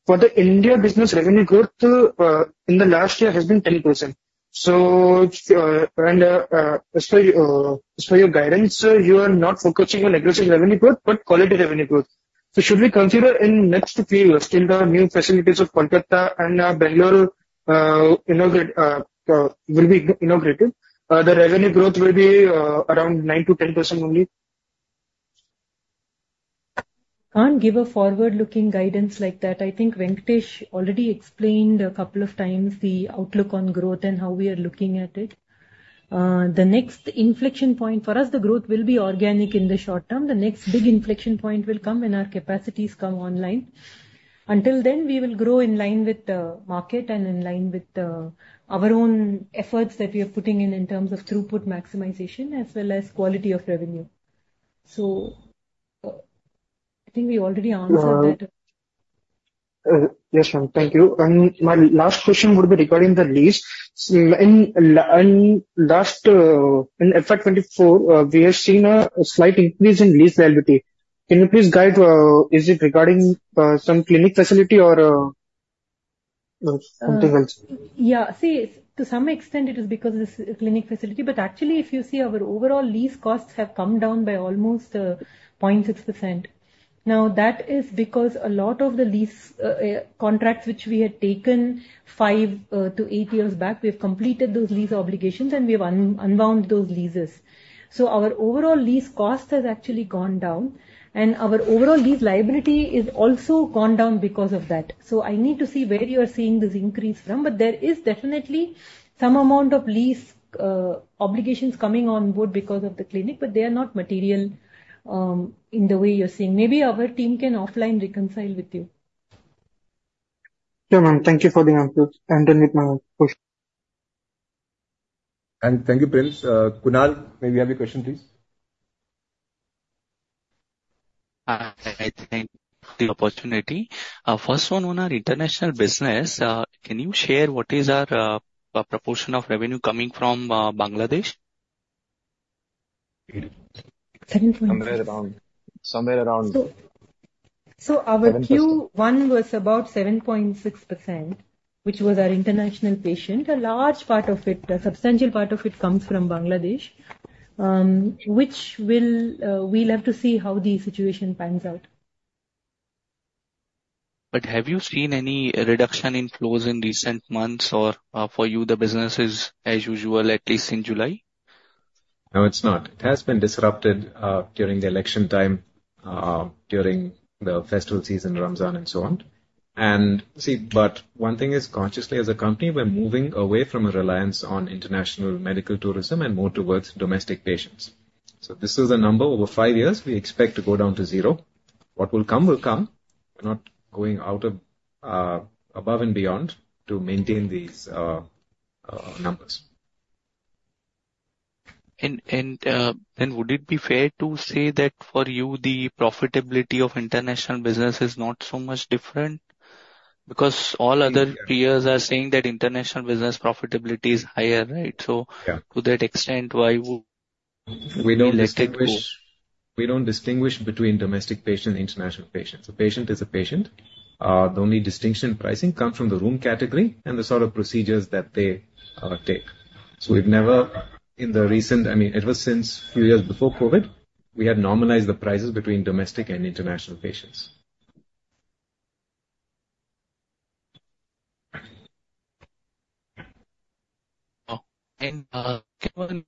For the India business, revenue growth in the last year has been 10%. So, and as per your guidance, you are not focusing on aggressive revenue growth, but quality revenue growth. So, should we consider in the next few years, till the new facilities of Kolkata and Bangalore will be inaugurated, the revenue growth will be around 9%-10% only? Can't give a forward-looking guidance like that. I think Venkatesh already explained a couple of times the outlook on growth and how we are looking at it. The next inflection point for us, the growth will be organic in the short term. The next big inflection point will come when our capacities come online. Until then, we will grow in line with the market and in line with our own efforts that we are putting in in terms of throughput maximization as well as quality of revenue. So, I think we already answered that. Yes, ma'am. Thank you. My last question would be regarding the lease. In FY2024, we have seen a slight increase in lease liability. Can you please guide? Is it regarding some clinic facility or something else? Yeah. See, to some extent, it is because of this clinic facility. But actually, if you see, our overall lease costs have come down by almost 0.6%. Now, that is because a lot of the lease contracts which we had taken 5-8 years back, we have completed those lease obligations, and we have unwound those leases. So, our overall lease cost has actually gone down. And our overall lease liability has also gone down because of that. So, I need to see where you are seeing this increase from. But there is definitely some amount of lease obligations coming on board because of the clinic, but they are not material in the way you're seeing. Maybe our team can offline reconcile with you. Yeah, ma'am. Thank you for the answer. And then with my question. Thank you, Prince. Kunal, may we have your question, please? Hi. Thank you for the opportunity. First one on our international business. Can you share what is our proportion of revenue coming from Bangladesh? 7.6%. Somewhere around. So, our Q1 was about 7.6%, which was our international patient. A large part of it, a substantial part of it comes from Bangladesh, which we'll have to see how the situation pans out. But have you seen any reduction in flows in recent months, or for you, the business is as usual, at least in July? No, it's not. It has been disrupted during the election time, during the festival season, Ramadan, and so on. And see, but one thing is consciously as a company, we're moving away from a reliance on international medical tourism and more towards domestic patients. So, this is a number over five years. We expect to go down to zero. What will come, will come. We're not going out above and beyond to maintain these numbers. And then would it be fair to say that for you, the profitability of international business is not so much different? Because all other peers are saying that international business profitability is higher, right? To that extent, why would you elect it? We don't distinguish between domestic patient and international patient. So, patient is a patient. The only distinction in pricing comes from the room category and the sort of procedures that they take. So, we've never in the recent, I mean, ever since a few years before COVID, we have normalized the prices between domestic and international patients. Can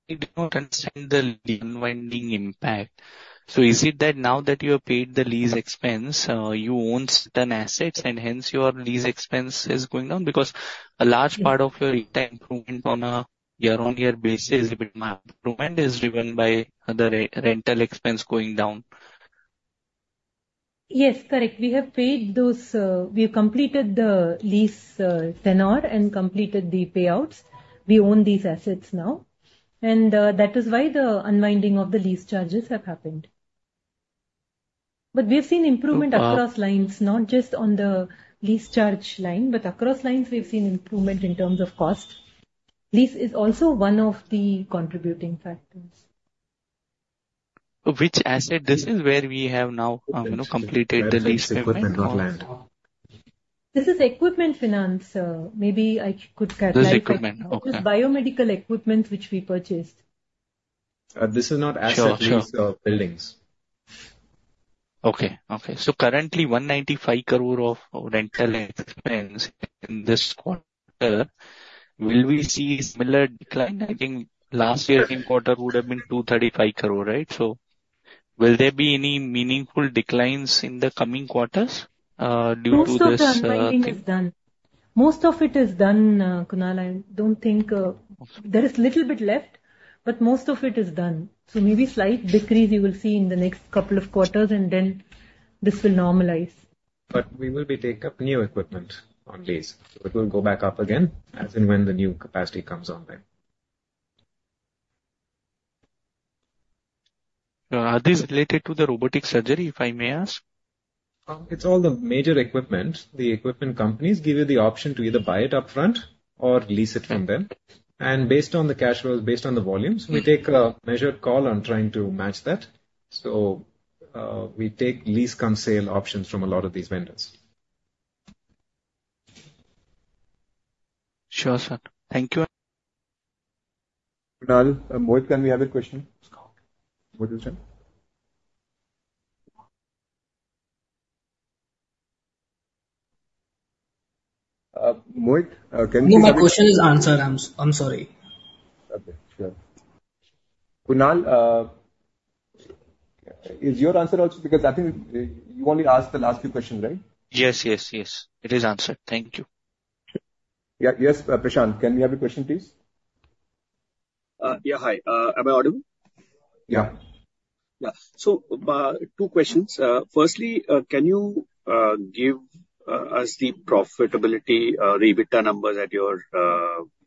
we understand the unwinding impact? So, is it that now that you have paid the lease expense, you own certain assets, and hence your lease expense is going down? Because a large part of your improvement on a year-on-year basis, if that improvement is driven by the rental expense going down. Yes, correct. We have paid those. We have completed the lease tenor and completed the payouts. We own these assets now. That is why the unwinding of the lease charges have happened. We have seen improvement across lines, not just on the lease charge line, but across lines, we've seen improvement in terms of cost. Lease is also one of the contributing factors. Which asset? This is where we have now completed the lease payment. This is equipment. This is equipment finance. Maybe I could clarify. This is equipment. Okay. This is biomedical equipment which we purchased. This is not asset lease, buildings. Okay. Okay. So, currently, 195 crore of rental expense in this quarter, will we see similar decline? I think last year's quarter would have been 235 crore, right? So, will there be any meaningful declines in the coming quarters due to this? Most of the unwinding is done. Most of it is done, Kunal. I don't think there is a little bit left, but most of it is done. So, maybe slight decrease you will see in the next couple of quarters, and then this will normalize. We will be taking up new equipment on lease. It will go back up again as and when the new capacity comes on there. Are these related to the robotic surgery, if I may ask? It's all the major equipment. The equipment companies give you the option to either buy it upfront or lease it from them. And based on the cash flows, based on the volumes, we take a measured call on trying to match that. So, we take lease-cum-sale options from a lot of these vendors. Sure, sir. Thank you. Mohit, can we have a question? Mohit, will stand. Mohit, can you? No, my question is answered. I'm sorry. Okay. Sure. Kunal, is your answer also because I think you only asked the last few questions, right? Yes. It is answered. Thank you. Yeah. Yes, Prashant, can we have a question, please? Yeah. Hi. Am I audible? Yeah. Yeah. So, two questions. Firstly, can you give us the profitability EBITDA numbers at your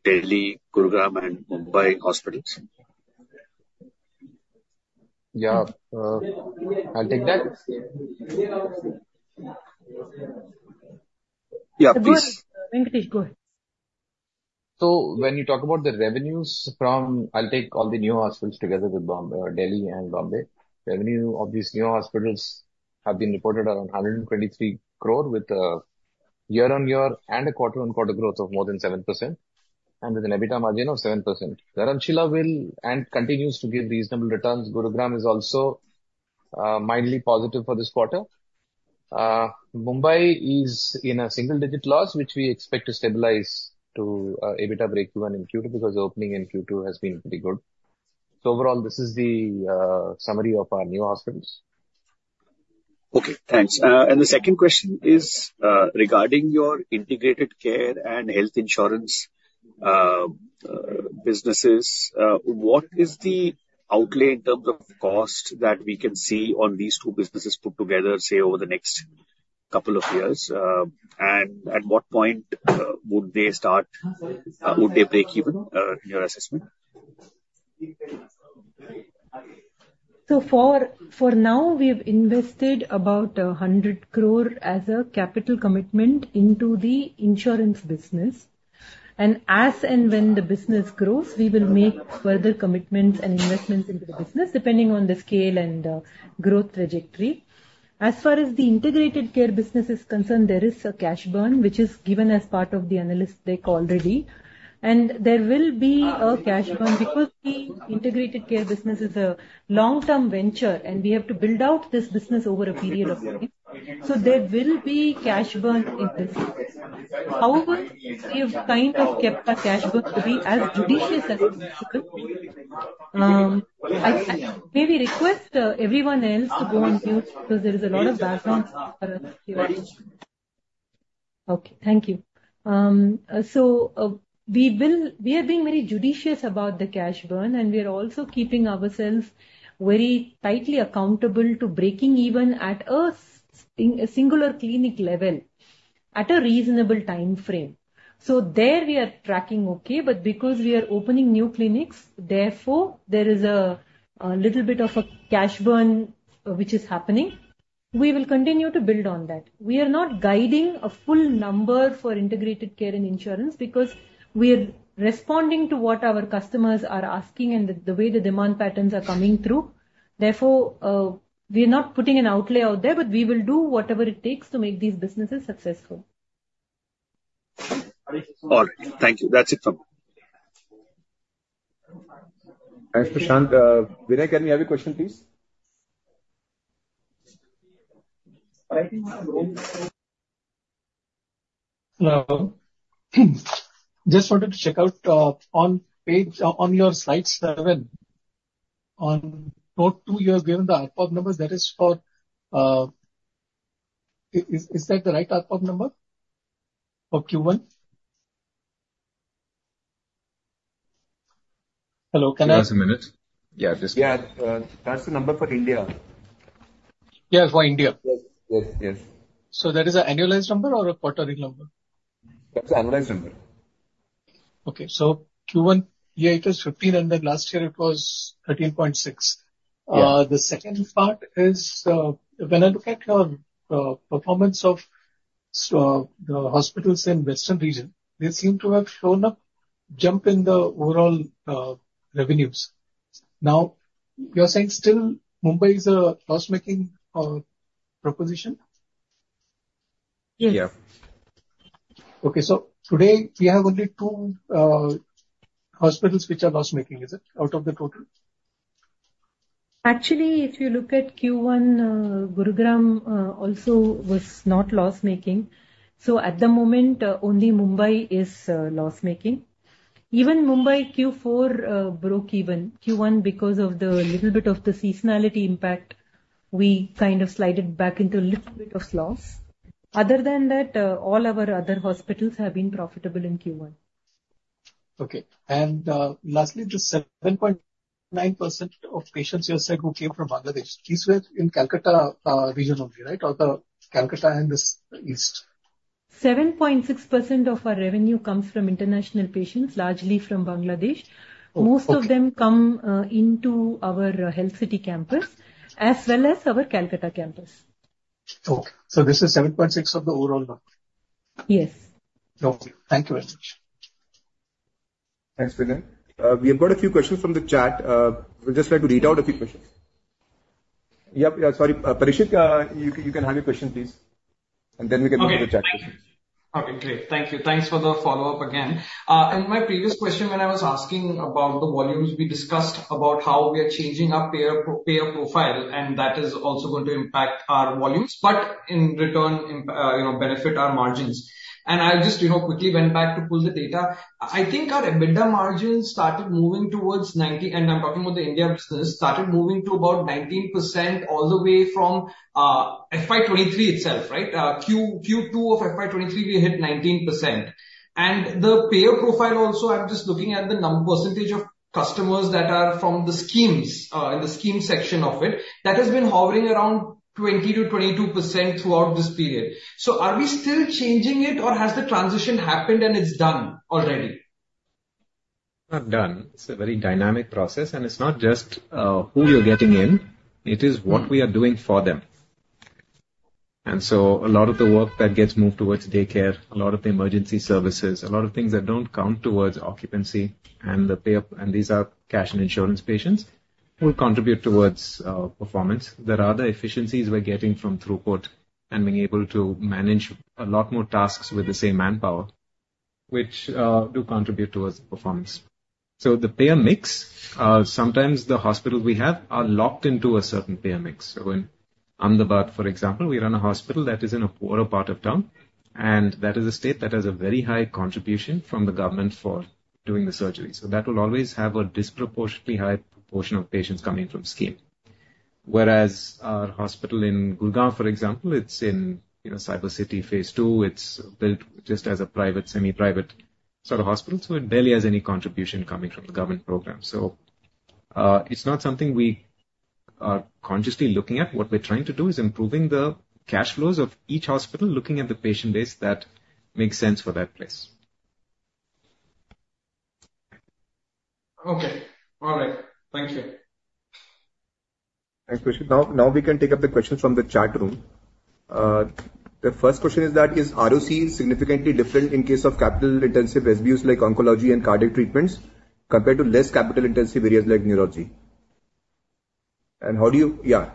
Delhi, Gurugram, and Mumbai hospitals? Yeah. I'll take that. Venkatesh, go ahead. So, when you talk about the revenues from, I'll take all the new hospitals together with Delhi and Mumbai. Revenue of these new hospitals have been reported around 123 crore with a year-on-year and a quarter-on-quarter growth of more than 7% and with an EBITDA margin of 7%. Dharamshila will and continues to give reasonable returns. Gurugram is also mildly positive for this quarter. Mumbai is in a single-digit loss, which we expect to stabilize to EBITDA break-even in Q2 because the opening in Q2 has been pretty good. So, overall, this is the summary of our new hospitals. Okay. Thanks. The second question is regarding your integrated care and health insurance businesses. What is the outlay in terms of cost that we can see on these two businesses put together, say, over the next couple of years? At what point would they start? Would they break even in your assessment? So, for now, we've invested about 100 crore as a capital commitment into the insurance business. And as and when the business grows, we will make further commitments and investments into the business depending on the scale and growth trajectory. As far as the integrated care business is concerned, there is a cash burn, which is given as part of the analyst deck already. And there will be a cash burn because the integrated care business is a long-term venture, and we have to build out this business over a period of time. So, there will be cash burn in this. However, we have kind of kept our cash burn to be as judicious as possible. Maybe request everyone else to go on mute because there is a lot of background noise here. Okay. Thank you. So, we are being very judicious about the cash burn, and we are also keeping ourselves very tightly accountable to breaking even at a singular clinic level at a reasonable time frame. So, there we are tracking okay. But because we are opening new clinics, therefore, there is a little bit of a cash burn which is happening. We will continue to build on that. We are not guiding a full number for integrated care and insurance because we are responding to what our customers are asking and the way the demand patterns are coming through. Therefore, we are not putting an outlay out there, but we will do whatever it takes to make these businesses successful. All right. Thank you. That's it from me. Thanks, Prashant. Viren, can we have a question, please? Hello. Just wanted to check out on your slide 7 on note 2, you have given the ARPOB number. That is, is that the right ARPOB number for Q1? Hello. Can I? Give us a minute. Yeah, just. Yeah. That's the number for India. Yeah, for India. Yes, yes, yes. That is an annualized number or a quarterly number? That's an annualized number. Okay. So, Q1, yeah, it is 15, and then last year, it was 13.6. The second part is when I look at your performance of the hospitals in the Western region, they seem to have shown a jump in the overall revenues. Now, you're saying still Mumbai is a loss-making proposition? Okay. So, today, we have only two hospitals which are loss-making. Is it out of the total? Actually, if you look at Q1, Gurugram also was not loss-making. At the moment, only Mumbai is loss-making. Even Mumbai Q4 broke even. Q1, because of the little bit of the seasonality impact, we kind of slided back into a little bit of loss. Other than that, all our other hospitals have been profitable in Q1. Okay. And lastly, the 7.9% of patients you said who came from Bangladesh, these were in Kolkata region only, right? Or the Kolkata and the East? 7.6% of our revenue comes from international patients, largely from Bangladesh. Most of them come into our Health City campus as well as our Kolkata campus. Okay. So, this is 7.6% of the overall number? Yes. Okay. Thank you very much. Thanks, Viren. We have got a few questions from the chat. We just like to read out a few questions. Yep. Sorry. Parikshit, you can have your question, please. And then we can move to the chat questions. Okay. Great. Thank you. Thanks for the follow-up again. In my previous question, when I was asking about the volumes, we discussed about how we are changing our payer profile, and that is also going to impact our volumes, but in return, benefit our margins. I just quickly went back to pull the data. I think our EBITDA margin started moving towards 90, and I'm talking about the India business, started moving to about 19% all the way from FY23 itself, right? Q2 of FY23, we hit 19%. And the payer profile also, I'm just looking at the percentage of customers that are from the schemes, the scheme section of it, that has been hovering around 20%-22% throughout this period. So, are we still changing it, or has the transition happened and it's done already? Not done. It's a very dynamic process, and it's not just who you're getting in. It is what we are doing for them. And so, a lot of the work that gets moved towards daycare, a lot of the emergency services, a lot of things that don't count towards occupancy and the payer, and these are cash and insurance patients, will contribute towards performance. There are other efficiencies we're getting from throughput and being able to manage a lot more tasks with the same manpower, which do contribute towards performance. So, the payer mix, sometimes the hospitals we have are locked into a certain payer mix. So, in Ahmedabad, for example, we run a hospital that is in a poorer part of town, and that is a state that has a very high contribution from the government for doing the surgeries. So, that will always have a disproportionately high proportion of patients coming from scheme. Whereas our hospital in Gurugram, for example, it's in Cyber City Phase II. It's built just as a private, semi-private sort of hospital. So, it's not something we are consciously looking at. What we're trying to do is improving the cash flows of each hospital, looking at the patient base that makes sense for that place. Okay. All right. Thank you. Thanks, Prashant. Now, we can take up the questions from the chat room. The first question is that, is ROC significantly different in case of capital-intensive services like oncology and cardiac treatments compared to less capital-intensive areas like neurology? And how do you—yeah.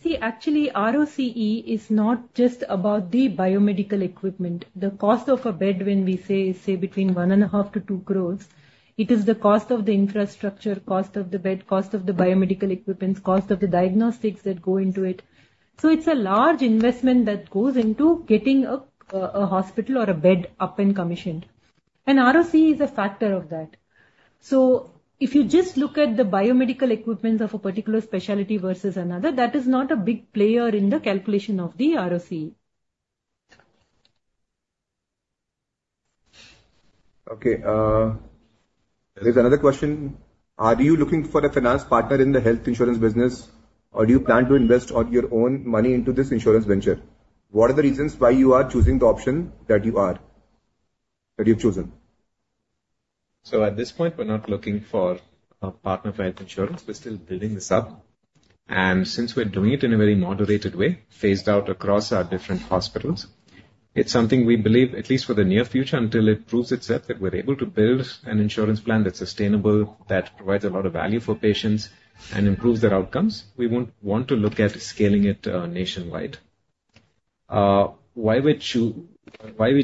See, actually, ROCE is not just about the biomedical equipment. The cost of a bed, when we say, is say, between 1.5-2 crore, it is the cost of the infrastructure, cost of the bed, cost of the biomedical equipment, cost of the diagnostics that go into it. So, it's a large investment that goes into getting a hospital or a bed up and commissioned. And ROCE is a factor of that. So, if you just look at the biomedical equipment of a particular specialty versus another, that is not a big player in the calculation of the ROCE. Okay. There is another question. Are you looking for a finance partner in the health insurance business, or do you plan to invest your own money into this insurance venture? What are the reasons why you are choosing the option that you have chosen? So, at this point, we're not looking for a partner for health insurance. We're still building this up. And since we're doing it in a very moderated way, phased out across our different hospitals, it's something we believe, at least for the near future, until it proves itself that we're able to build an insurance plan that's sustainable, that provides a lot of value for patients and improves their outcomes, we won't want to look at scaling it nationwide. Why we're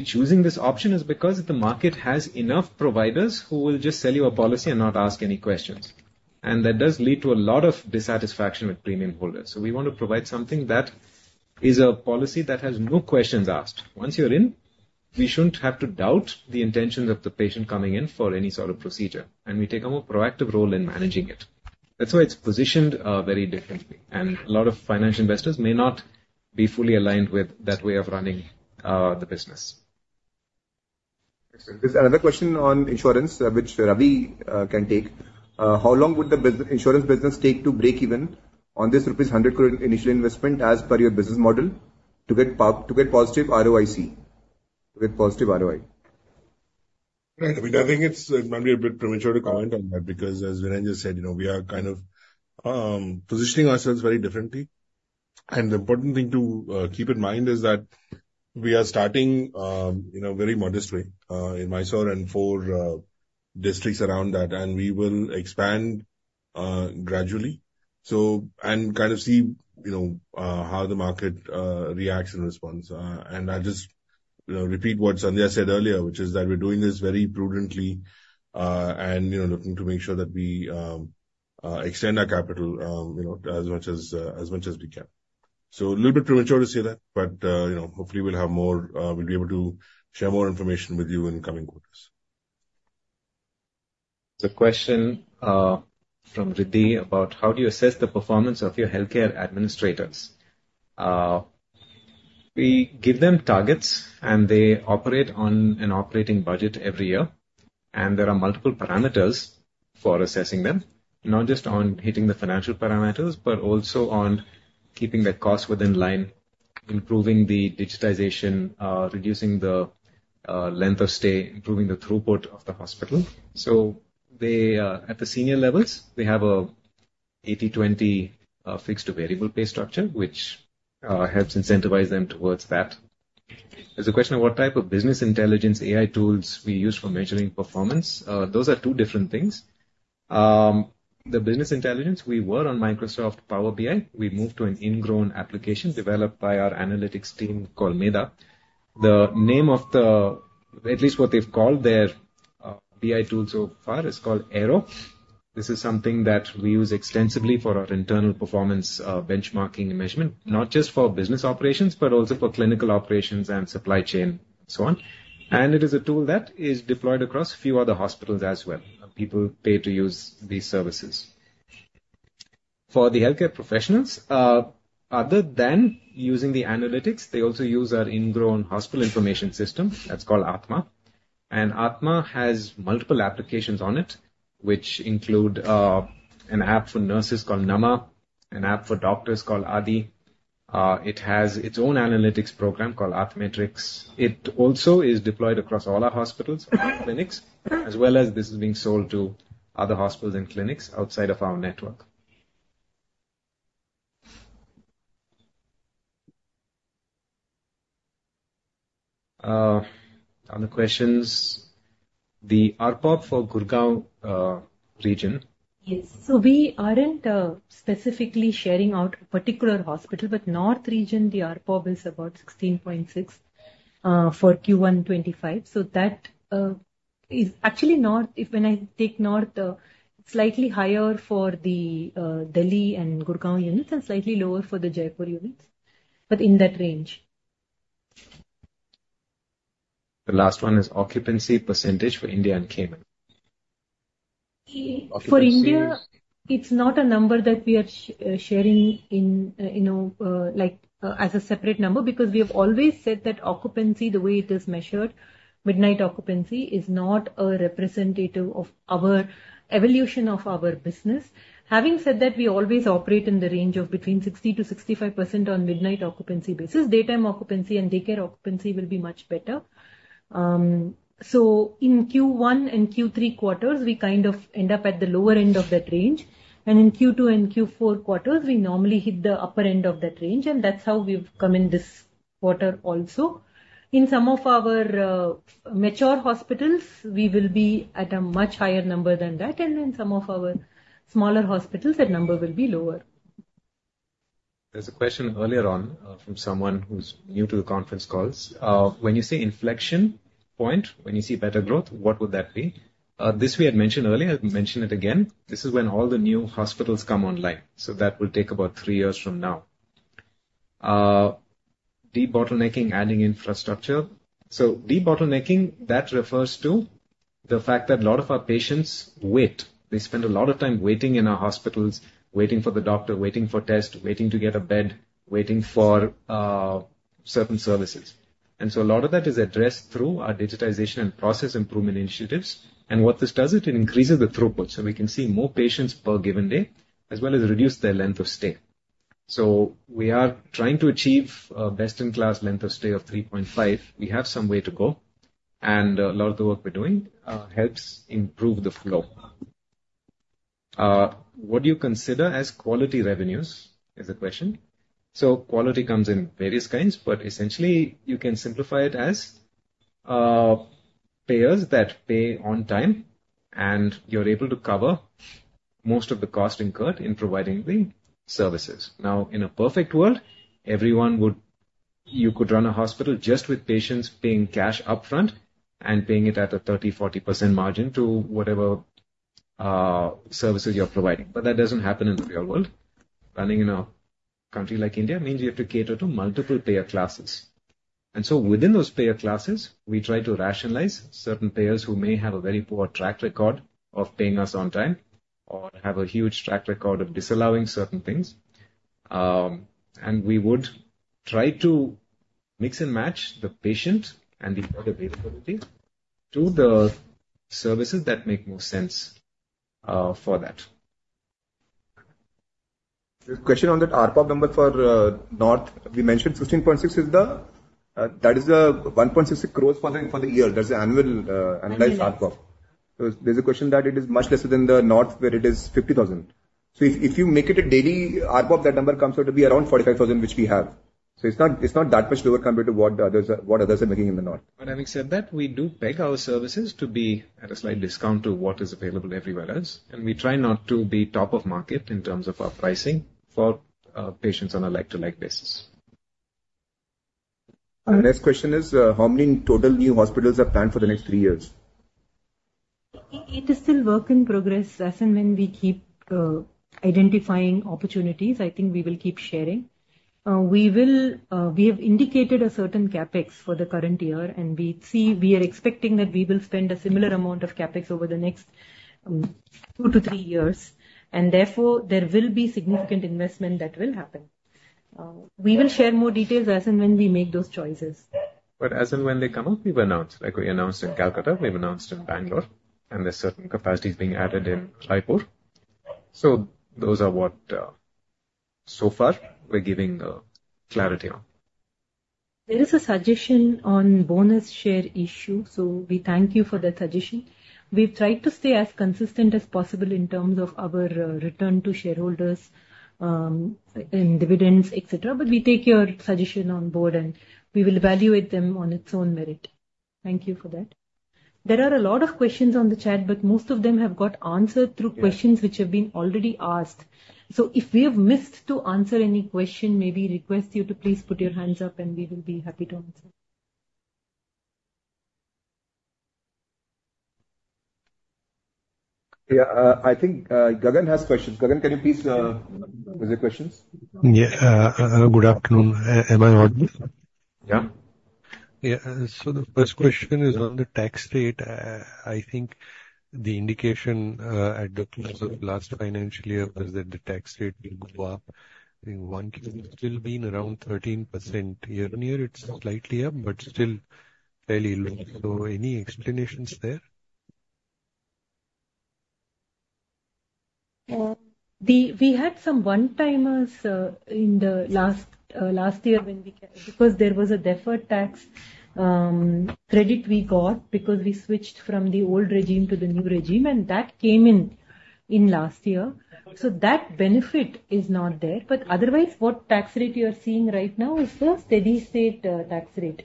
choosing this option is because the market has enough providers who will just sell you a policy and not ask any questions. And that does lead to a lot of dissatisfaction with premium holders. So, we want to provide something that is a policy that has no questions asked. Once you're in, we shouldn't have to doubt the intentions of the patient coming in for any sort of procedure. We take a more proactive role in managing it. That's why it's positioned very differently. A lot of financial investors may not be fully aligned with that way of running the business. Excellent. There's another question on insurance, which Ravi can take. How long would the insurance business take to break even on this rupees 100 crore initial investment as per your business model to get positive ROIC, to get positive ROI? Right. I mean, I think it's maybe a bit premature to comment on that because, as Viren just said, we are kind of positioning ourselves very differently. The important thing to keep in mind is that we are starting in a very modest way in Mysore and four districts around that. We will expand gradually and kind of see how the market reacts and responds. I'll just repeat what Sandhya said earlier, which is that we're doing this very prudently and looking to make sure that we extend our capital as much as we can. So, a little bit premature to say that, but hopefully, we'll have more, we'll be able to share more information with you in coming quarters. The question from Riddhi about how do you assess the performance of your healthcare administrators? We give them targets, and they operate on an operating budget every year. There are multiple parameters for assessing them, not just on hitting the financial parameters, but also on keeping their costs in line, improving the digitization, reducing the length of stay, improving the throughput of the hospital. So, at the senior levels, we have an 80/20 fixed variable pay structure, which helps incentivize them towards that. There's a question of what type of business intelligence AI tools we use for measuring performance. Those are two different things. The business intelligence, we were on Microsoft Power BI. We moved to an in-house application developed by our analytics team called Medha. The name of the—at least what they've called their BI tool so far is called Aero. This is something that we use extensively for our internal performance benchmarking measurement, not just for business operations, but also for clinical operations and supply chain and so on. It is a tool that is deployed across a few other hospitals as well. People pay to use these services. For the healthcare professionals, other than using the analytics, they also use our in-house hospital information system. That's called Athma. And Athma has multiple applications on it, which include an app for nurses called NaMa, an app for doctors called Aadi. It has its own analytics program called Athmetrics. It also is deployed across all our hospitals and clinics, as well as this is being sold to other hospitals and clinics outside of our network. Other questions. The ARPOB for Gurugram region. Yes. So, we aren't specifically sharing out a particular hospital, but North region, the ARPOB is about 16.6 for Q1 2025. So, that is actually North. When I take North, it's slightly higher for the Delhi and Gurugram units and slightly lower for the Jaipur units, but in that range. The last one is occupancy percentage for India and Cayman. For India, it's not a number that we are sharing as a separate number because we have always said that occupancy, the way it is measured, midnight occupancy is not a representative of our evolution of our business. Having said that, we always operate in the range of between 60%-65% on midnight occupancy basis. Daytime occupancy and daycare occupancy will be much better. So, in Q1 and Q3 quarters, we kind of end up at the lower end of that range. In Q2 and Q4 quarters, we normally hit the upper end of that range. That's how we've come in this quarter also. In some of our mature hospitals, we will be at a much higher number than that. In some of our smaller hospitals, that number will be lower. There's a question earlier on from someone who's new to the conference calls. When you say inflection point, when you see better growth, what would that be? This we had mentioned earlier. I'll mention it again. This is when all the new hospitals come online. So, that will take about three years from now. Debottlenecking, adding infrastructure. So, debottlenecking, that refers to the fact that a lot of our patients wait. They spend a lot of time waiting in our hospitals, waiting for the doctor, waiting for tests, waiting to get a bed, waiting for certain services. And so, a lot of that is addressed through our digitization and process improvement initiatives. And what this does is it increases the throughput so we can see more patients per given day, as well as reduce their length of stay. So, we are trying to achieve a best-in-class length of stay of 3.5. We have some way to go. And a lot of the work we're doing helps improve the flow. What do you consider as quality revenues is the question. So, quality comes in various kinds, but essentially, you can simplify it as payers that pay on time, and you're able to cover most of the cost incurred in providing the services. Now, in a perfect world, you could run a hospital just with patients paying cash upfront and paying it at a 30%-40% margin to whatever services you're providing. But that doesn't happen in the real world. Running in a country like India means you have to cater to multiple payer classes. Within those payer classes, we try to rationalize certain payers who may have a very poor track record of paying us on time or have a huge track record of disallowing certain things. We would try to mix and match the patient and the availability to the services that make more sense for that. There's a question on that ARPOB number for North. We mentioned 15.6; that is the 1.66 crores for the year. That's the annual ARPOB. There's a question that it is much less than the North, where it is 50,000. So, if you make it a daily ARPOB, that number comes out to be around 45,000, which we have. So, it's not that much lower compared to what others are making in the North. But having said that, we do peg our services to be at a slight discount to what is available everywhere else. And we try not to be top of market in terms of our pricing for patients on a like-to-like basis. The next question is, how many total new hospitals are planned for the next three years? I think it is still a work in progress. As and when we keep identifying opportunities, I think we will keep sharing. We have indicated a certain CAPEX for the current year, and we are expecting that we will spend a similar amount of CAPEX over the next two to three years. And therefore, there will be significant investment that will happen. We will share more details as and when we make those choices. But as and when they come up, we will announce. Like we announced in Kolkata, we've announced in Bangalore, and there's certain capacities being added in Jaipur. So, those are what so far we're giving clarity on. There is a suggestion on bonus share issue. So, we thank you for that suggestion. We've tried to stay as consistent as possible in terms of our return to shareholders and dividends, etc. But we take your suggestion on board, and we will evaluate them on its own merit. Thank you for that. There are a lot of questions on the chat, but most of them have got answered through questions which have been already asked. So, if we have missed to answer any question, maybe request you to please put your hands up, and we will be happy to answer. Yeah. I think Gagan has questions. Gagan, can you please raise your questions? Yeah. Good afternoon. Am I audible? Yeah. Yeah. The first question is on the tax rate. I think the indication at the close of last financial year was that the tax rate will go up. I think one year has still been around 13%. Year-on-year, it's slightly up, but still fairly low. Any explanations there? We had some one-timers in the last year when we, because there was a deferred tax credit we got because we switched from the old regime to the new regime, and that came in last year. So, that benefit is not there. But otherwise, what tax rate you are seeing right now is the steady-state tax rate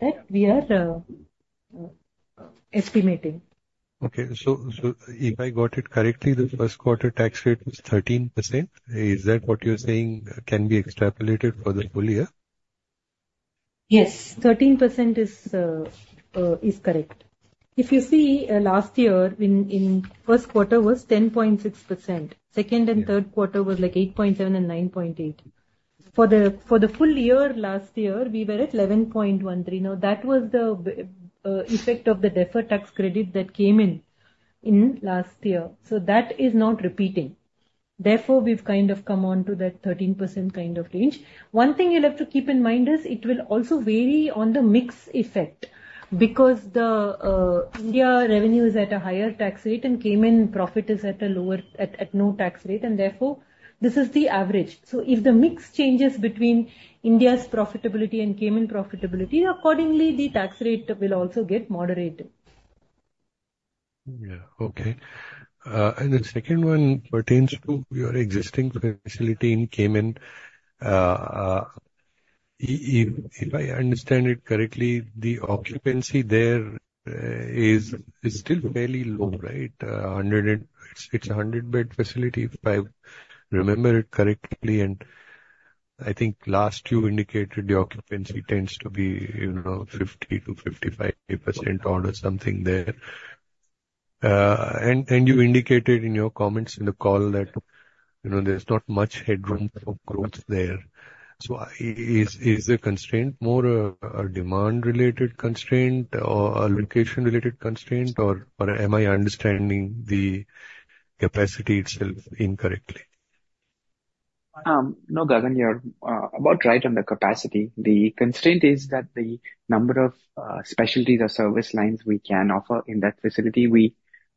that we are estimating. Okay. So, if I got it correctly, the first quarter tax rate was 13%. Is that what you're saying can be extrapolated for the full year? Yes. 13% is correct. If you see, last year, in first quarter, it was 10.6%. Second and third quarter was like 8.7% and 9.8%. For the full year last year, we were at 11.13%. Now, that was the effect of the deferred tax credit that came in last year. So, that is not repeating. Therefore, we've kind of come on to that 13% kind of range. One thing you'll have to keep in mind is it will also vary on the mix effect because the India revenue is at a higher tax rate and Cayman profit is at a lower at no tax rate. And therefore, this is the average. So, if the mix changes between India's profitability and Cayman profitability, accordingly, the tax rate will also get moderated. Yeah. Okay. And the second one pertains to your existing facility in Cayman. If I understand it correctly, the occupancy there is still fairly low, right? It's a 100-bed facility, if I remember it correctly. And I think last you indicated the occupancy tends to be 50%-55% or something there. And you indicated in your comments in the call that there's not much headroom for growth there. So, is the constraint more a demand-related constraint or a location-related constraint, or am I understanding the capacity itself incorrectly? No, Gagan, you're about right on the capacity. The constraint is that the number of specialties or service lines we can offer in that facility.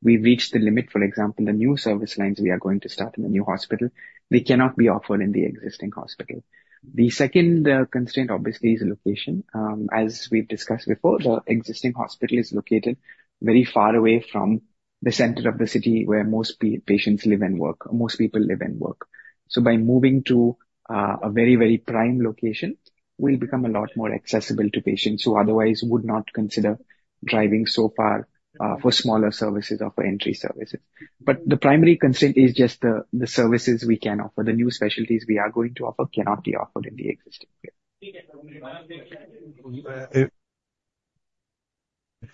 We've reached the limit. For example, the new service lines we are going to start in the new hospital, they cannot be offered in the existing hospital. The second constraint, obviously, is location. As we've discussed before, the existing hospital is located very far away from the center of the city where most patients live and work, most people live and work. So, by moving to a very, very prime location, we'll become a lot more accessible to patients who otherwise would not consider driving so far for smaller services or for entry services. But the primary constraint is just the services we can offer. The new specialties we are going to offer cannot be offered in the existing area.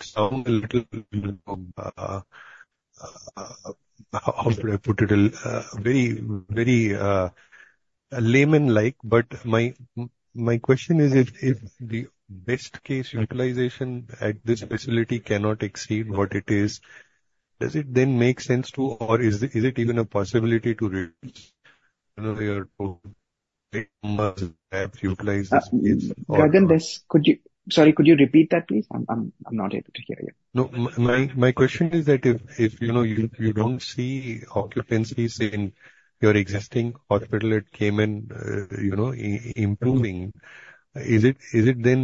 Sounds a little - how should I put it? very layman-like. But my question is, if the best-case utilization at this facility cannot exceed what it is, does it then make sense to, or is it even a possibility to you know, your layman's map utilize this? Gagan, sorry, could you repeat that, please? I'm not able to hear you. No. My question is that if you don't see occupancies in your existing hospital at Cayman improving, is it then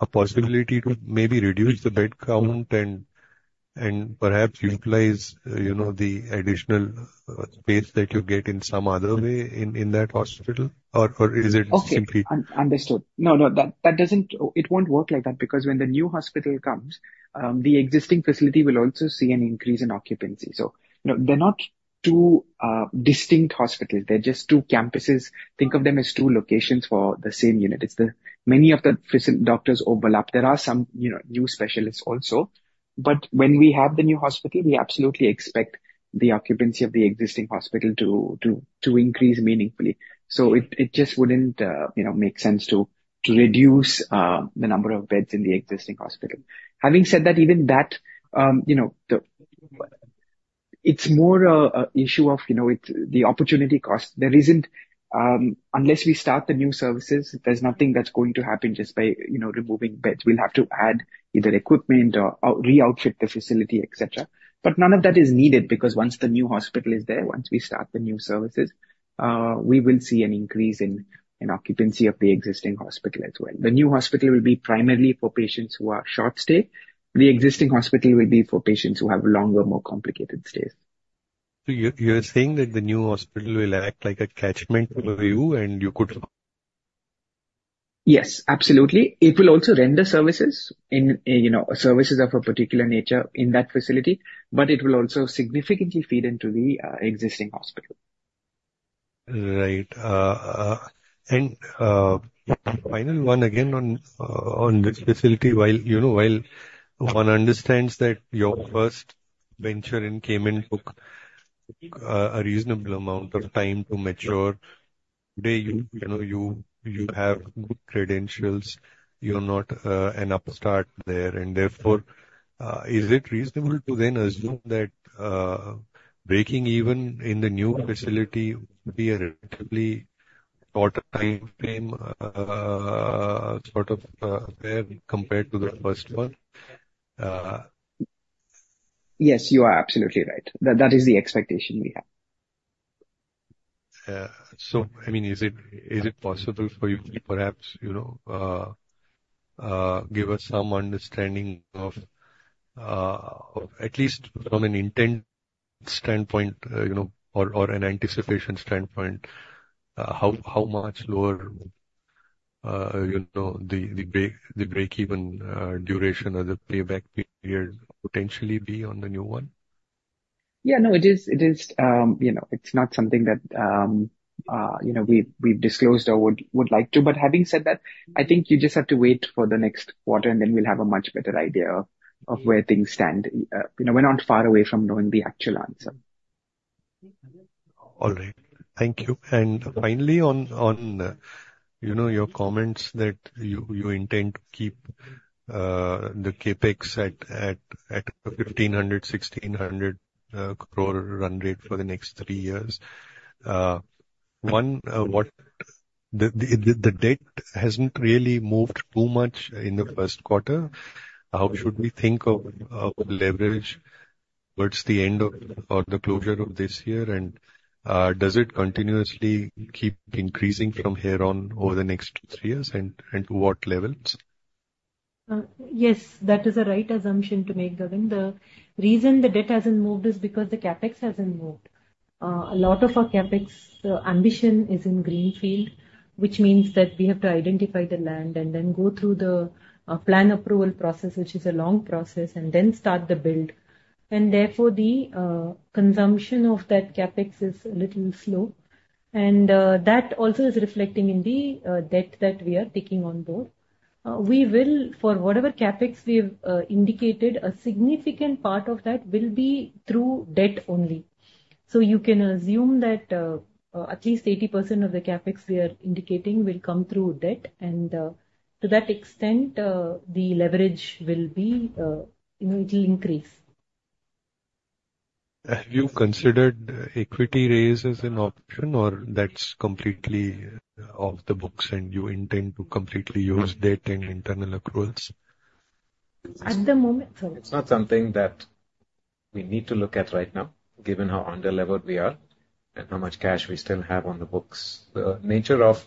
a possibility to maybe reduce the bed count and perhaps utilize the additional space that you get in some other way in that hospital? Or is it simply? Okay. Understood. No, no. It won't work like that because when the new hospital comes, the existing facility will also see an increase in occupancy. So, they're not two distinct hospitals. They're just two campuses. Think of them as two locations for the same unit. Many of the doctors overlap. There are some new specialists also. But when we have the new hospital, we absolutely expect the occupancy of the existing hospital to increase meaningfully. So, it just wouldn't make sense to reduce the number of beds in the existing hospital. Having said that, even that, it's more an issue of the opportunity cost. Unless we start the new services, there's nothing that's going to happen just by removing beds. We'll have to add either equipment or re-outfit the facility, etc. But none of that is needed because once the new hospital is there, once we start the new services, we will see an increase in occupancy of the existing hospital as well. The new hospital will be primarily for patients who are short-stayed. The existing hospital will be for patients who have longer, more complicated stays. So, you're saying that the new hospital will act like a catchment for you, and you could... Yes, absolutely. It will also render services in services of a particular nature in that facility, but it will also significantly feed into the existing hospital. Right. And final one, again, on this facility, while one understands that your first venture in Cayman took a reasonable amount of time to mature, today, you have good credentials. You're not an upstart there. And therefore, is it reasonable to then assume that breaking even in the new facility would be a relatively shorter time frame sort of compared to the first one? Yes, you are absolutely right. That is the expectation we have. I mean, is it possible for you to perhaps give us some understanding of, at least from an intent standpoint or an anticipation standpoint, how much lower the break-even duration or the payback period potentially be on the new one? Yeah. No, it is. It's not something that we've disclosed or would like to. But having said that, I think you just have to wait for the next quarter, and then we'll have a much better idea of where things stand. We're not far away from knowing the actual answer. All right. Thank you. And finally, on your comments that you intend to keep the CAPEX at 1,500 crore-1,600 crore run rate for the next three years, one, the debt hasn't really moved too much in the first quarter. How should we think of leverage towards the end of or the closure of this year? And does it continuously keep increasing from here on over the next three years? And to what levels? Yes, that is a right assumption to make, Gagan. The reason the debt hasn't moved is because the CAPEX hasn't moved. A lot of our CAPEX ambition is in Greenfield, which means that we have to identify the land and then go through the plan approval process, which is a long process, and then start the build. And therefore, the consumption of that CAPEX is a little slow. And that also is reflecting in the debt that we are taking on board. For whatever CAPEX we've indicated, a significant part of that will be through debt only. So, you can assume that at least 80% of the CAPEX we are indicating will come through debt. And to that extent, the leverage will increase. Have you considered equity raises in option, or that's completely off the books, and you intend to completely use debt and internal accruals? At the moment, sorry. It's not something that we need to look at right now, given how underlevered we are and how much cash we still have on the books. The nature of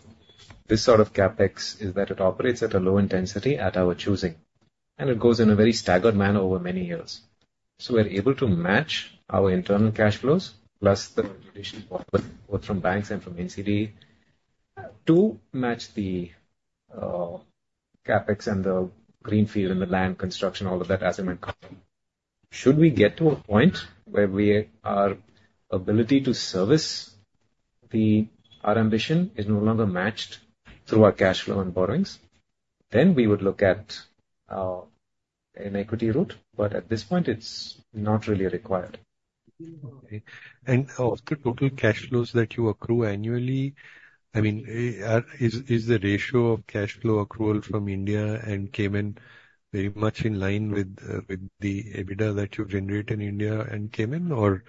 this sort of CAPEX is that it operates at a low intensity at our choosing, and it goes in a very staggered manner over many years. So, we're able to match our internal cash flows plus the additional both from banks and from NCD to match the CAPEX and the greenfield and the land construction, all of that as it might come. Should we get to a point where our ability to service our ambition is no longer matched through our cash flow and borrowings, then we would look at an equity route. But at this point, it's not really required. Of the total cash flows that you accrue annually, I mean, is the ratio of cash flow accrual from India and Cayman very much in line with the EBITDA that you generate in India and Cayman? Or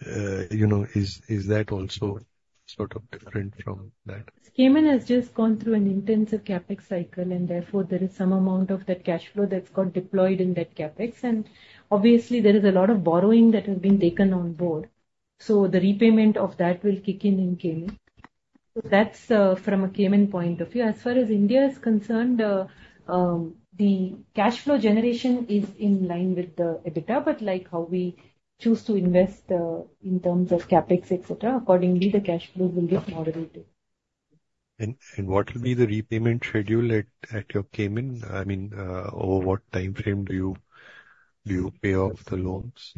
is that also sort of different from that? Cayman has just gone through an intensive CAPEX cycle, and therefore, there is some amount of that cash flow that's got deployed in that CAPEX. And obviously, there is a lot of borrowing that has been taken on board. So, the repayment of that will kick in in Cayman. So, that's from a Cayman point of view. As far as India is concerned, the cash flow generation is in line with the EBITDA, but like how we choose to invest in terms of CAPEX, etc., accordingly, the cash flow will get moderated. What will be the repayment schedule at your Cayman? I mean, over what time frame do you pay off the loans?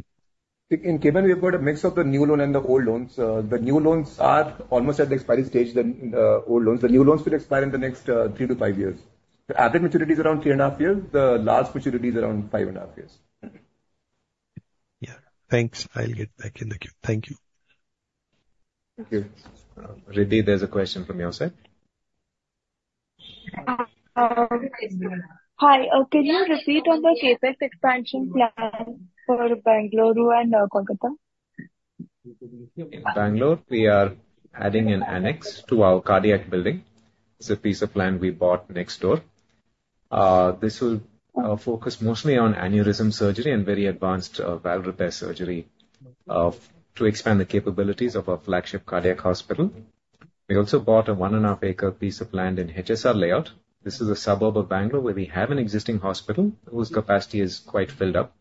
In Cayman, we've got a mix of the new loan and the old loans. The new loans are almost at the expiry stage, the old loans. The new loans will expire in the next 3-5 years. The average maturity is around 3.5 years. The last maturity is around 5.5 years. Yeah. Thanks. I'll get back in the queue. Thank you. Thank you. Riddhi, there's a question from your side. Hi. Can you repeat on the CAPEX expansion plan for Bangalore and Kolkata? Bangalore, we are adding an annex to our cardiac building. It's a piece of land we bought next door. This will focus mostly on aneurysm surgery and very advanced valve repair surgery to expand the capabilities of our flagship cardiac hospital. We also bought a 1.5-acre piece of land in HSR Layout. This is a suburb of Bangalore where we have an existing hospital whose capacity is quite filled up.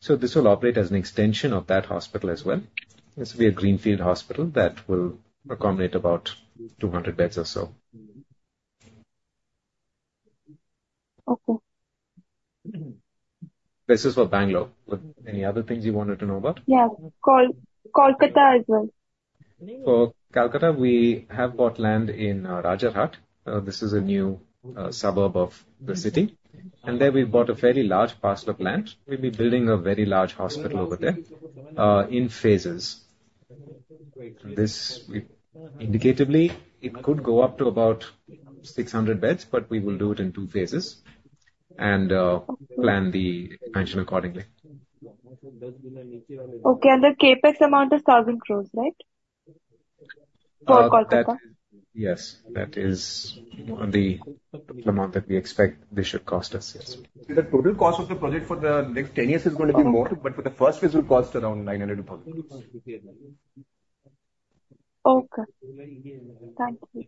So, this will operate as an extension of that hospital as well. This will be a Greenfield hospital that will accommodate about 200 beds or so. Okay. This is for Bangalore. Any other things you wanted to know about? Yeah. Kolkata as well. For Kolkata, we have bought land in Rajarhat. This is a new suburb of the city. There, we've bought a fairly large parcel of land. We'll be building a very large hospital over there in phases. Indicatively, it could go up to about 600 beds, but we will do it in two phases and plan the expansion accordingly. Okay. The CAPEX amount is INR 1,000 crore, right? For Kolkata? Yes. That is the amount that we expect this should cost us. The total cost of the project for the next 10 years is going to be more, but for the first phase, it will cost around 900-1,000 rupees. Okay. Thank you.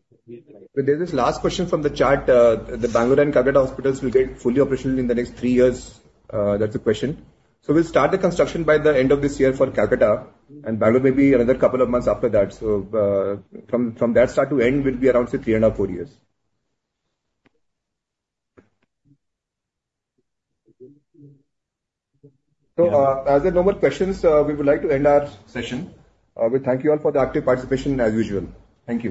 There's this last question from the chart. The Bangalore and Kolkata hospitals will get fully operational in the next 3 years. That's the question. So, we'll start the construction by the end of this year for Kolkata, and Bangalore may be another couple of months after that. So, from that start to end, it will be around 3.5, 4 years. So, as a number of questions, we would like to end our session. We thank you all for the active participation, as usual. Thank you.